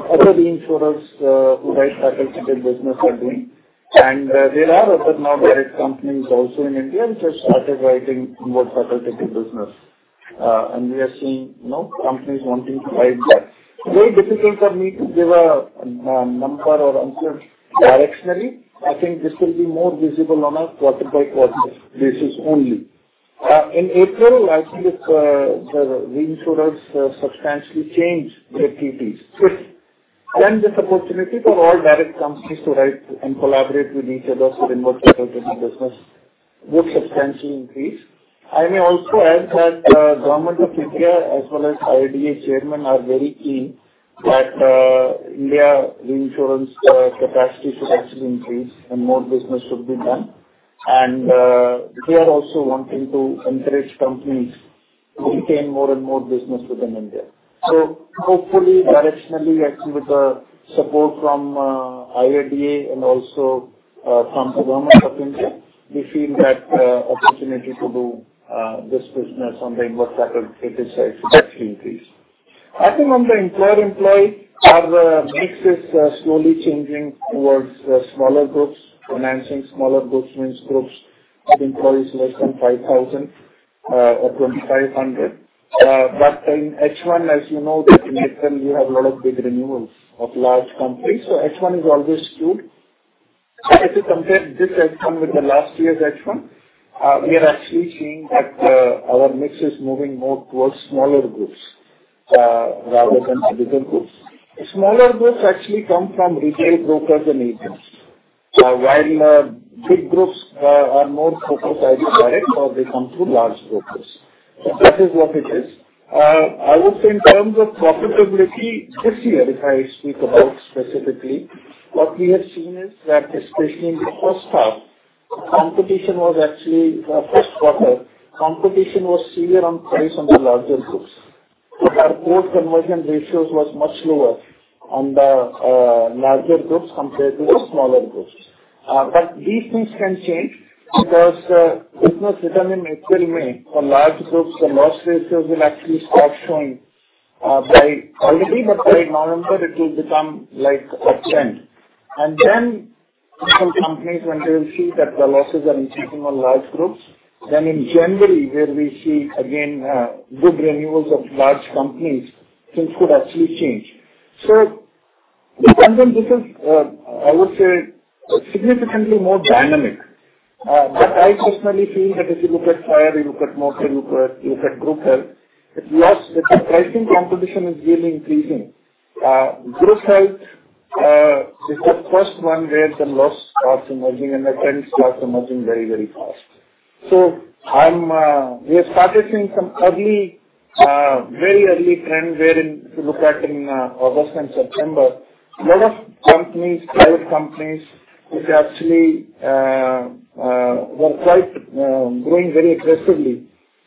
[SPEAKER 2] other insurers who write facultative business are doing. And there are other non-direct companies also in India which have started writing more facultative business. And we are seeing, you know, companies wanting to write that. Very difficult for me to give a number or answer directionally. I think this will be more visible on a quarter by quarter basis only. In April, I think it's the reinsurers substantially changed their TPs. Then this opportunity for all direct companies to write and collaborate with each other to inward facultative business would substantially increase. I may also add that, Government of India, as well as IRDAI Chairman, are very keen that, Indian reinsurance capacity should actually increase and more business should be done. They are also wanting to encourage companies to retain more and more business within India. Hopefully directionally, actually, with the support from IRDAI and also from Government of India, we feel that opportunity to do this business on the inward facultative side should actually increase. I think on the employer-employee, our mix is slowly changing towards smaller groups. Focusing on smaller groups means groups of employees less than five thousand or twenty-five hundred, but in H1, as you know, that in April you have a lot of big renewals of large companies, so H1 is always skewed. So if you compare this H1 with the last year's H1, we are actually seeing that, our mix is moving more towards smaller groups, rather than bigger groups. Smaller groups actually come from retail brokers and agents. While, big groups, are more focused either direct or they come through large brokers. So that is what it is. I would say in terms of profitability this year, if I speak about specifically, what we have seen is that especially in the first half, competition was actually, first quarter, competition was severe on price on the larger groups. So our core conversion ratios was much lower on the, larger groups compared to the smaller groups. But these things can change because, business returned in April, May. For large groups, the loss ratios will actually start showing by already, but by November it will become like a trend, and then some companies, when they will see that the losses are increasing on large groups, then in January, where we see again good renewals of large companies, things could actually change, so this is, I would say, significantly more dynamic, but I personally feel that if you look at fire, you look at motor, you look, look at group health, the loss, the pricing competition is really increasing. Group health is the first one where the loss starts emerging and the trends starts emerging very, very fast. We have started seeing some early, very early trend, wherein if you look at August and September, a lot of companies, private companies, which actually were quite growing very aggressively.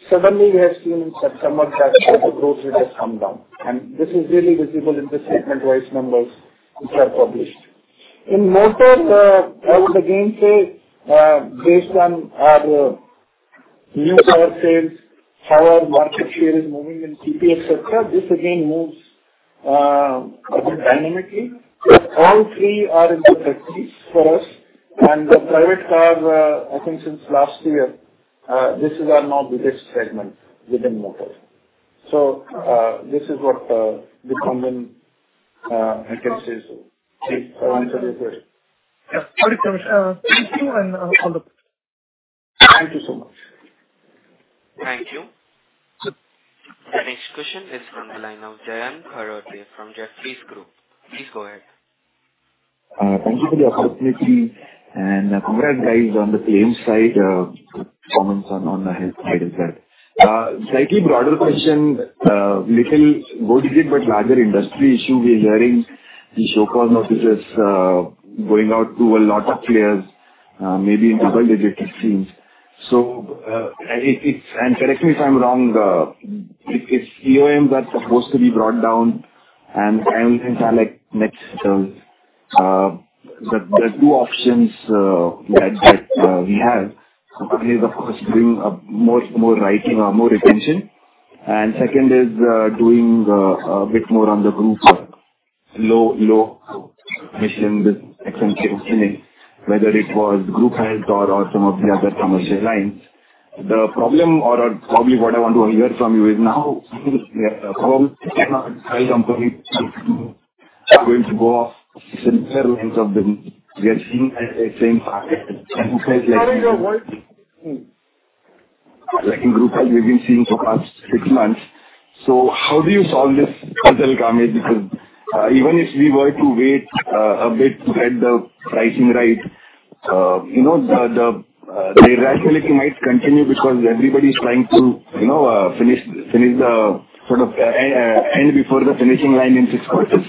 [SPEAKER 2] Suddenly we have seen in September that the growth rate has come down, and this is really visible in the segment-wise numbers which are published. In motor, I would again say, based on our new car sales, how our market share is moving in CPX, et cetera, this again moves a bit dynamically. All three are in the thirties for us and the private car, I think since last year, this is now our biggest segment within motors. So, this is what the common I can say. So I answer your question?
[SPEAKER 7] Yeah. Thank you and on the-
[SPEAKER 2] Thank you so much.
[SPEAKER 1] Thank you. The next question is from the line of Jayant Kharote from Jefferies Group. Please go ahead.
[SPEAKER 8] Thank you for the opportunity and congrats, guys, on the claims side, comments on, on his side as well. Slightly broader question, little vertical, but larger industry issue. We are hearing the show cause notices, going out to a lot of players, maybe in double digits it seems. So, it's, and correct me if I'm wrong, if EOMs are supposed to be brought down and EOMs are like next, but the two options that we have is, of course, doing more writing or more retention. And second is doing a bit more on the group, low commission with excellent commissioning, whether it was group health or some of the other commercial lines. The problem or probably what I want to hear from you is now, since we are a homegrown company going to go along the lines of them. We are seeing at the same time, and who says they aren't seeing. Like in group health, we've been seeing for the past six months. So how do you solve this puzzle, Kamesh? Because even if we were to wait a bit to get the pricing right, you know, the irrationality might continue because everybody's trying to, you know, finish the sort of end before the finishing line in six quarters.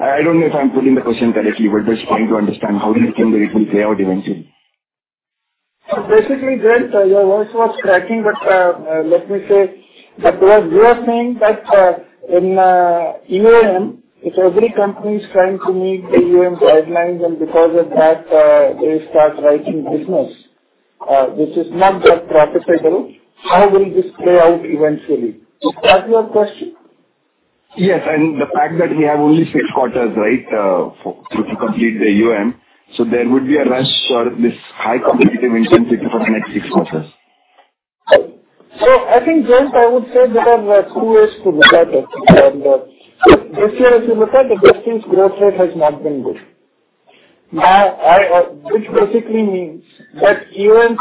[SPEAKER 8] I don't know if I'm putting the question correctly, but just trying to understand how do you think it will play out eventually?
[SPEAKER 2] So basically, Jayant, your voice was cracking, but let me say- But what you are saying that in EOM, if every company is trying to meet the EOM guidelines and because of that they start writing business which is not that profitable, how will this play out eventually? Is that your question?
[SPEAKER 8] Yes, and the fact that we have only six quarters, right, for to complete the EOM, so there would be a rush or this high competitive intensity for the next six quarters.
[SPEAKER 2] So I think, Jayant, I would say there are two ways to look at it. And this year, as you look at the business growth rate has not been good. Which basically means that EOM,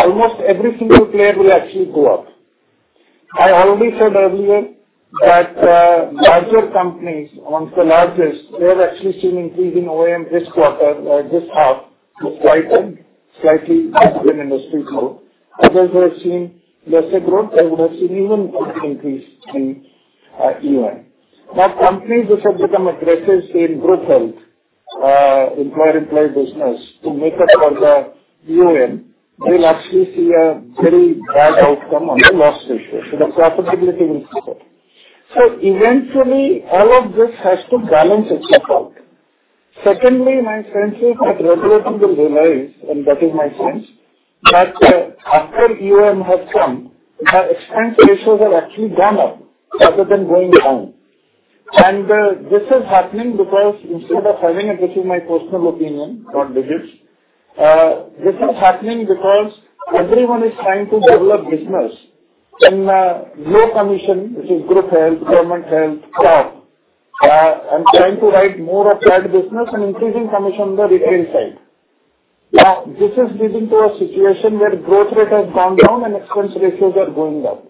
[SPEAKER 2] almost every single player will actually go up. I already said earlier that larger companies, amongst the largest, they have actually seen an increase in EOM this quarter, this half, slightly industry growth. Others who have seen lesser growth, they would have seen even increase in EOM. Now, companies which have become aggressive in group health, employer-employee business to make up for the EOM, will actually see a very bad outcome on their loss ratio. So the profitability will suffer. So eventually, all of this has to balance itself out. Secondly, my sense is that regulators will realize, and that is my sense, that, after EOM has come, their expense ratios have actually gone up rather than going down. And, this is happening because instead of having a this is my personal opinion, not Digit's. This is happening because everyone is trying to develop business in, low commission, which is group health, government health, and trying to write more of that business and increasing commission on the retail side. Now, this is leading to a situation where growth rate has gone down and expense ratios are going up.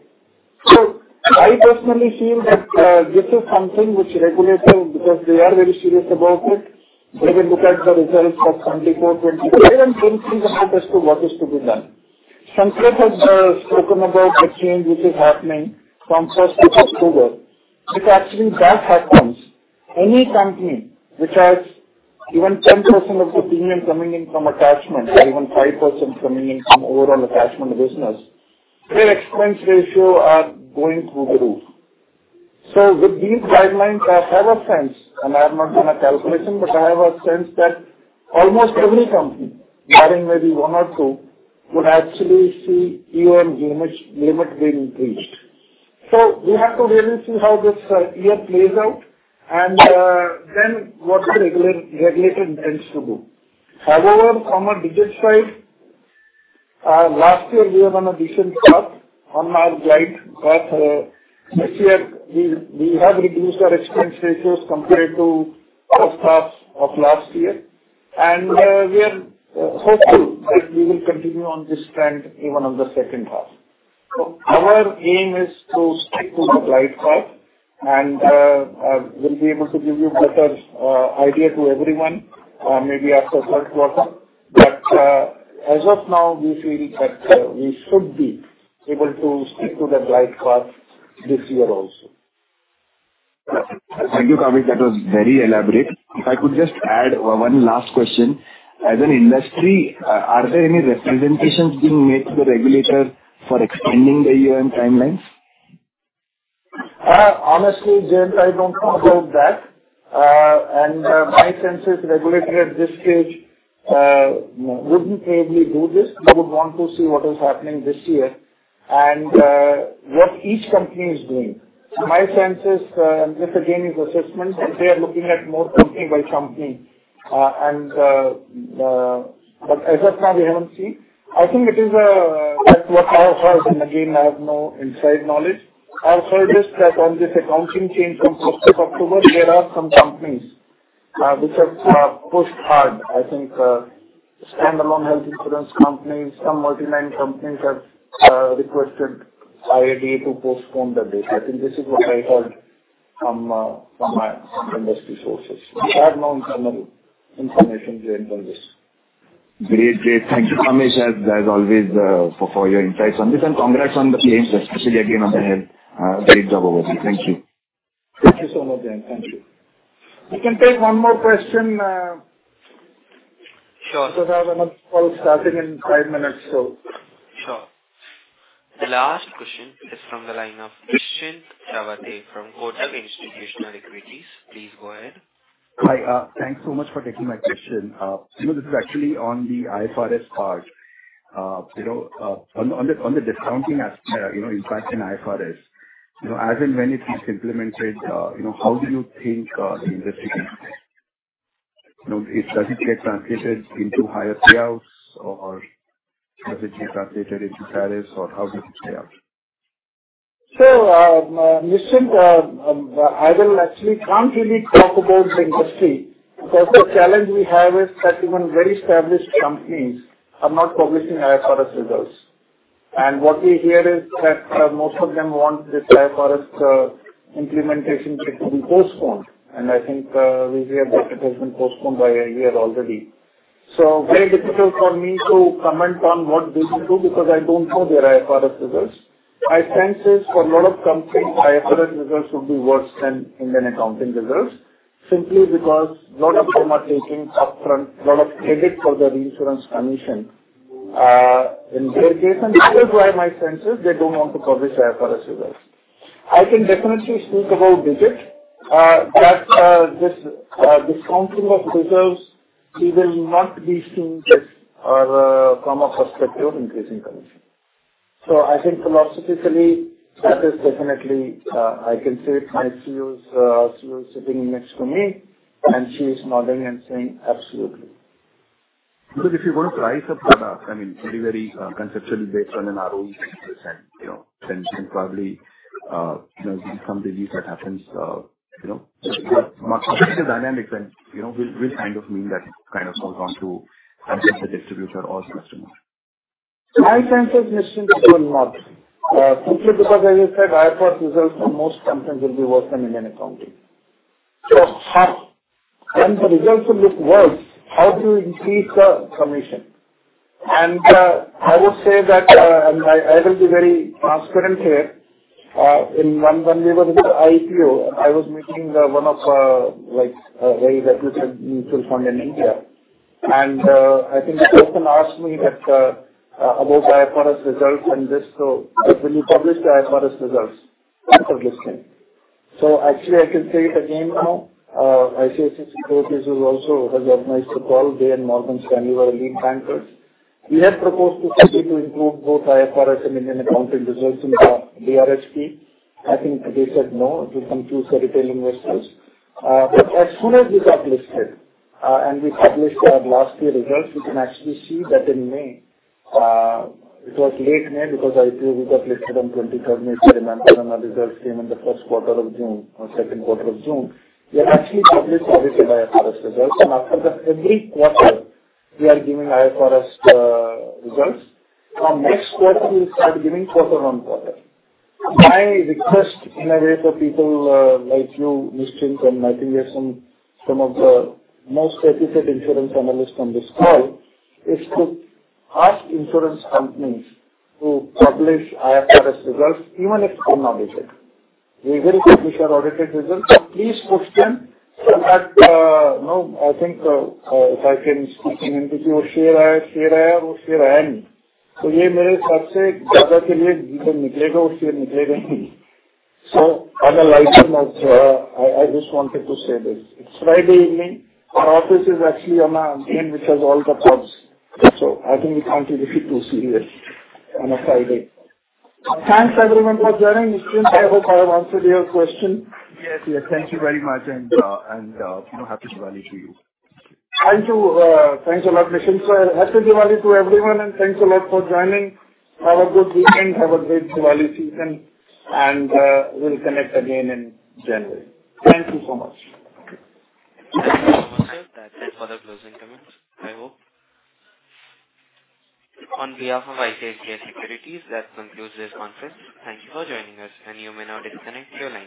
[SPEAKER 2] So I personally feel that, this is something which regulators, because they are very serious about it, they will look at the results for twenty-four, twenty-five, and then see as to what is to be done. Sanketh has spoken about the change which is happening from first of October. If actually that happens, any company which has even 10% of the premium coming in from attachment or even 5% coming in from overall attachment business, their expense ratio are going through the roof. So with these guidelines, I have a sense, and I have not done a calculation, but I have a sense that almost every company, barring maybe one or two, would actually see EOM limit, limit being reached. So we have to really see how this year plays out and then what the regulator intends to do. However, from a Digit side, last year we were on a decent path on our glide path. This year we have reduced our expense ratios compared to first half of last year, and we are hopeful that we will continue on this trend even on the second half. So our aim is to stick to the glide path, and we'll be able to give you better idea to everyone, maybe after first quarter. But as of now, we feel that we should be able to stick to the glide path this year also.
[SPEAKER 8] Thank you, Kamesh. That was very elaborate. If I could just add one last question: As an industry, are there any representations being made to the regulator for extending the EOM timelines?
[SPEAKER 2] Honestly, Jayant, I don't know about that. And, my sense is regulator at this stage, wouldn't probably do this. They would want to see what is happening this year and, what each company is doing. My sense is, and this again, is assessment, is they are looking at more company by company. And, but as of now, we haven't seen. I think it is. That's what I heard, and again, I have no inside knowledge. I've heard this, that on this accounting change from first of October, there are some companies, which have, pushed hard. I think, standalone health insurance companies, some multiline companies have, requested IRDAI to postpone the date. I think this is what I heard from, from my industry sources. I have no internal information to inform this.
[SPEAKER 8] Great. Great. Thank you, Kamesh, as always, for your insights on this, and congrats on the claims, especially again on the great job over there. Thank you.
[SPEAKER 2] Thank you so much, Jayant. Thank you. We can take one more question.
[SPEAKER 1] Sure.
[SPEAKER 2] Because I have another call starting in five minutes, so.
[SPEAKER 1] Sure. The last question is from the line of Nischint Chawathe from Kotak Institutional Equities. Please go ahead.
[SPEAKER 9] Hi. Thanks so much for taking my question. You know, this is actually on the IFRS part. You know, on the discounting as, you know, impact in IFRS, you know, as and when it is implemented, you know, how do you think the industry, you know, does it get translated into higher payouts? Or does it get translated into tariffs, or how does it play out?
[SPEAKER 2] Nischint, I actually can't really talk about the industry, because the challenge we have is that even very established companies are not publishing IFRS results. What we hear is that most of them want this IFRS implementation to be postponed, and I think we hear that it has been postponed by a year already. Very difficult for me to comment on what this will do, because I don't know their IFRS results. My sense is, for a lot of companies, IFRS results will be worse than Indian accounting results... simply because a lot of them are taking upfront a lot of credit for the reinsurance commission. In their case, and that is why my sense is they don't want to publish IFRS results. I can definitely speak about Digit that this discounting of reserves will not be seen as from a perspective increasing commission. So I think philosophically, that is definitely. I can say it. My CEO is sitting next to me, and she's nodding and saying, "Absolutely.
[SPEAKER 9] Because if you're going to price a product, I mean, it'll be very, conceptually based on an ROE, you know, then probably, you know, some review that happens, you know, dynamics and, you know, will kind of mean that kind of goes on to the distributor or customer.
[SPEAKER 2] My sense is margins will not simply because, as I said, IFRS results for most companies will be worse than Indian accounting. When the results look worse, how do you increase the commission? I would say that, and I will be very transparent here. When we were in the IPO, I was meeting one of, like, a very reputed mutual fund in India. I think the person asked me that about IFRS results and this, so will you publish the IFRS results? After listening. Actually, I can say it again now. ICICI Securities has also organized a call. They and Morgan Stanley were lead bankers. We had proposed to SEBI to include both IFRS and Indian accounting results in the DRHP. I think they said, "No, it will confuse the retail investors." But as soon as we got listed, and we published our last year results, you can actually see that in May, it was late May, because IPO, we got listed on twenty-third May, if I remember, and our results came in the first quarter of June or second quarter of June. We have actually published audited IFRS results, and after that, every quarter we are giving IFRS results. From next quarter, we'll start giving quarter on quarter. My request in a way for people like you, Nischint, and I think there are some of the most reputed insurance analysts on this call, is to ask insurance companies to publish IFRS results, even if unaudited. We will publish our audited results. Please push them to that, you know, I think, if I can speak in Hindi. So on a lighter note, I just wanted to say this. It's Friday evening. Our office is actually on a lane which has all the pubs, so I think we can't be difficult to see this on a Friday. Thanks, everyone, for joining. Nischint, I hope I have answered your question.
[SPEAKER 9] Yes, yes. Thank you very much and, you know, happy Diwali to you.
[SPEAKER 2] Thank you. Thanks a lot, Nischint. Happy Diwali to everyone, and thanks a lot for joining. Have a good weekend, have a great Diwali season, and we'll connect again in January. Thank you so much.
[SPEAKER 1] Thank you so much, sir. That's all the closing comments, I hope. On behalf of ICICI Securities, that concludes this conference. Thank you for joining us, and you may now disconnect your lines.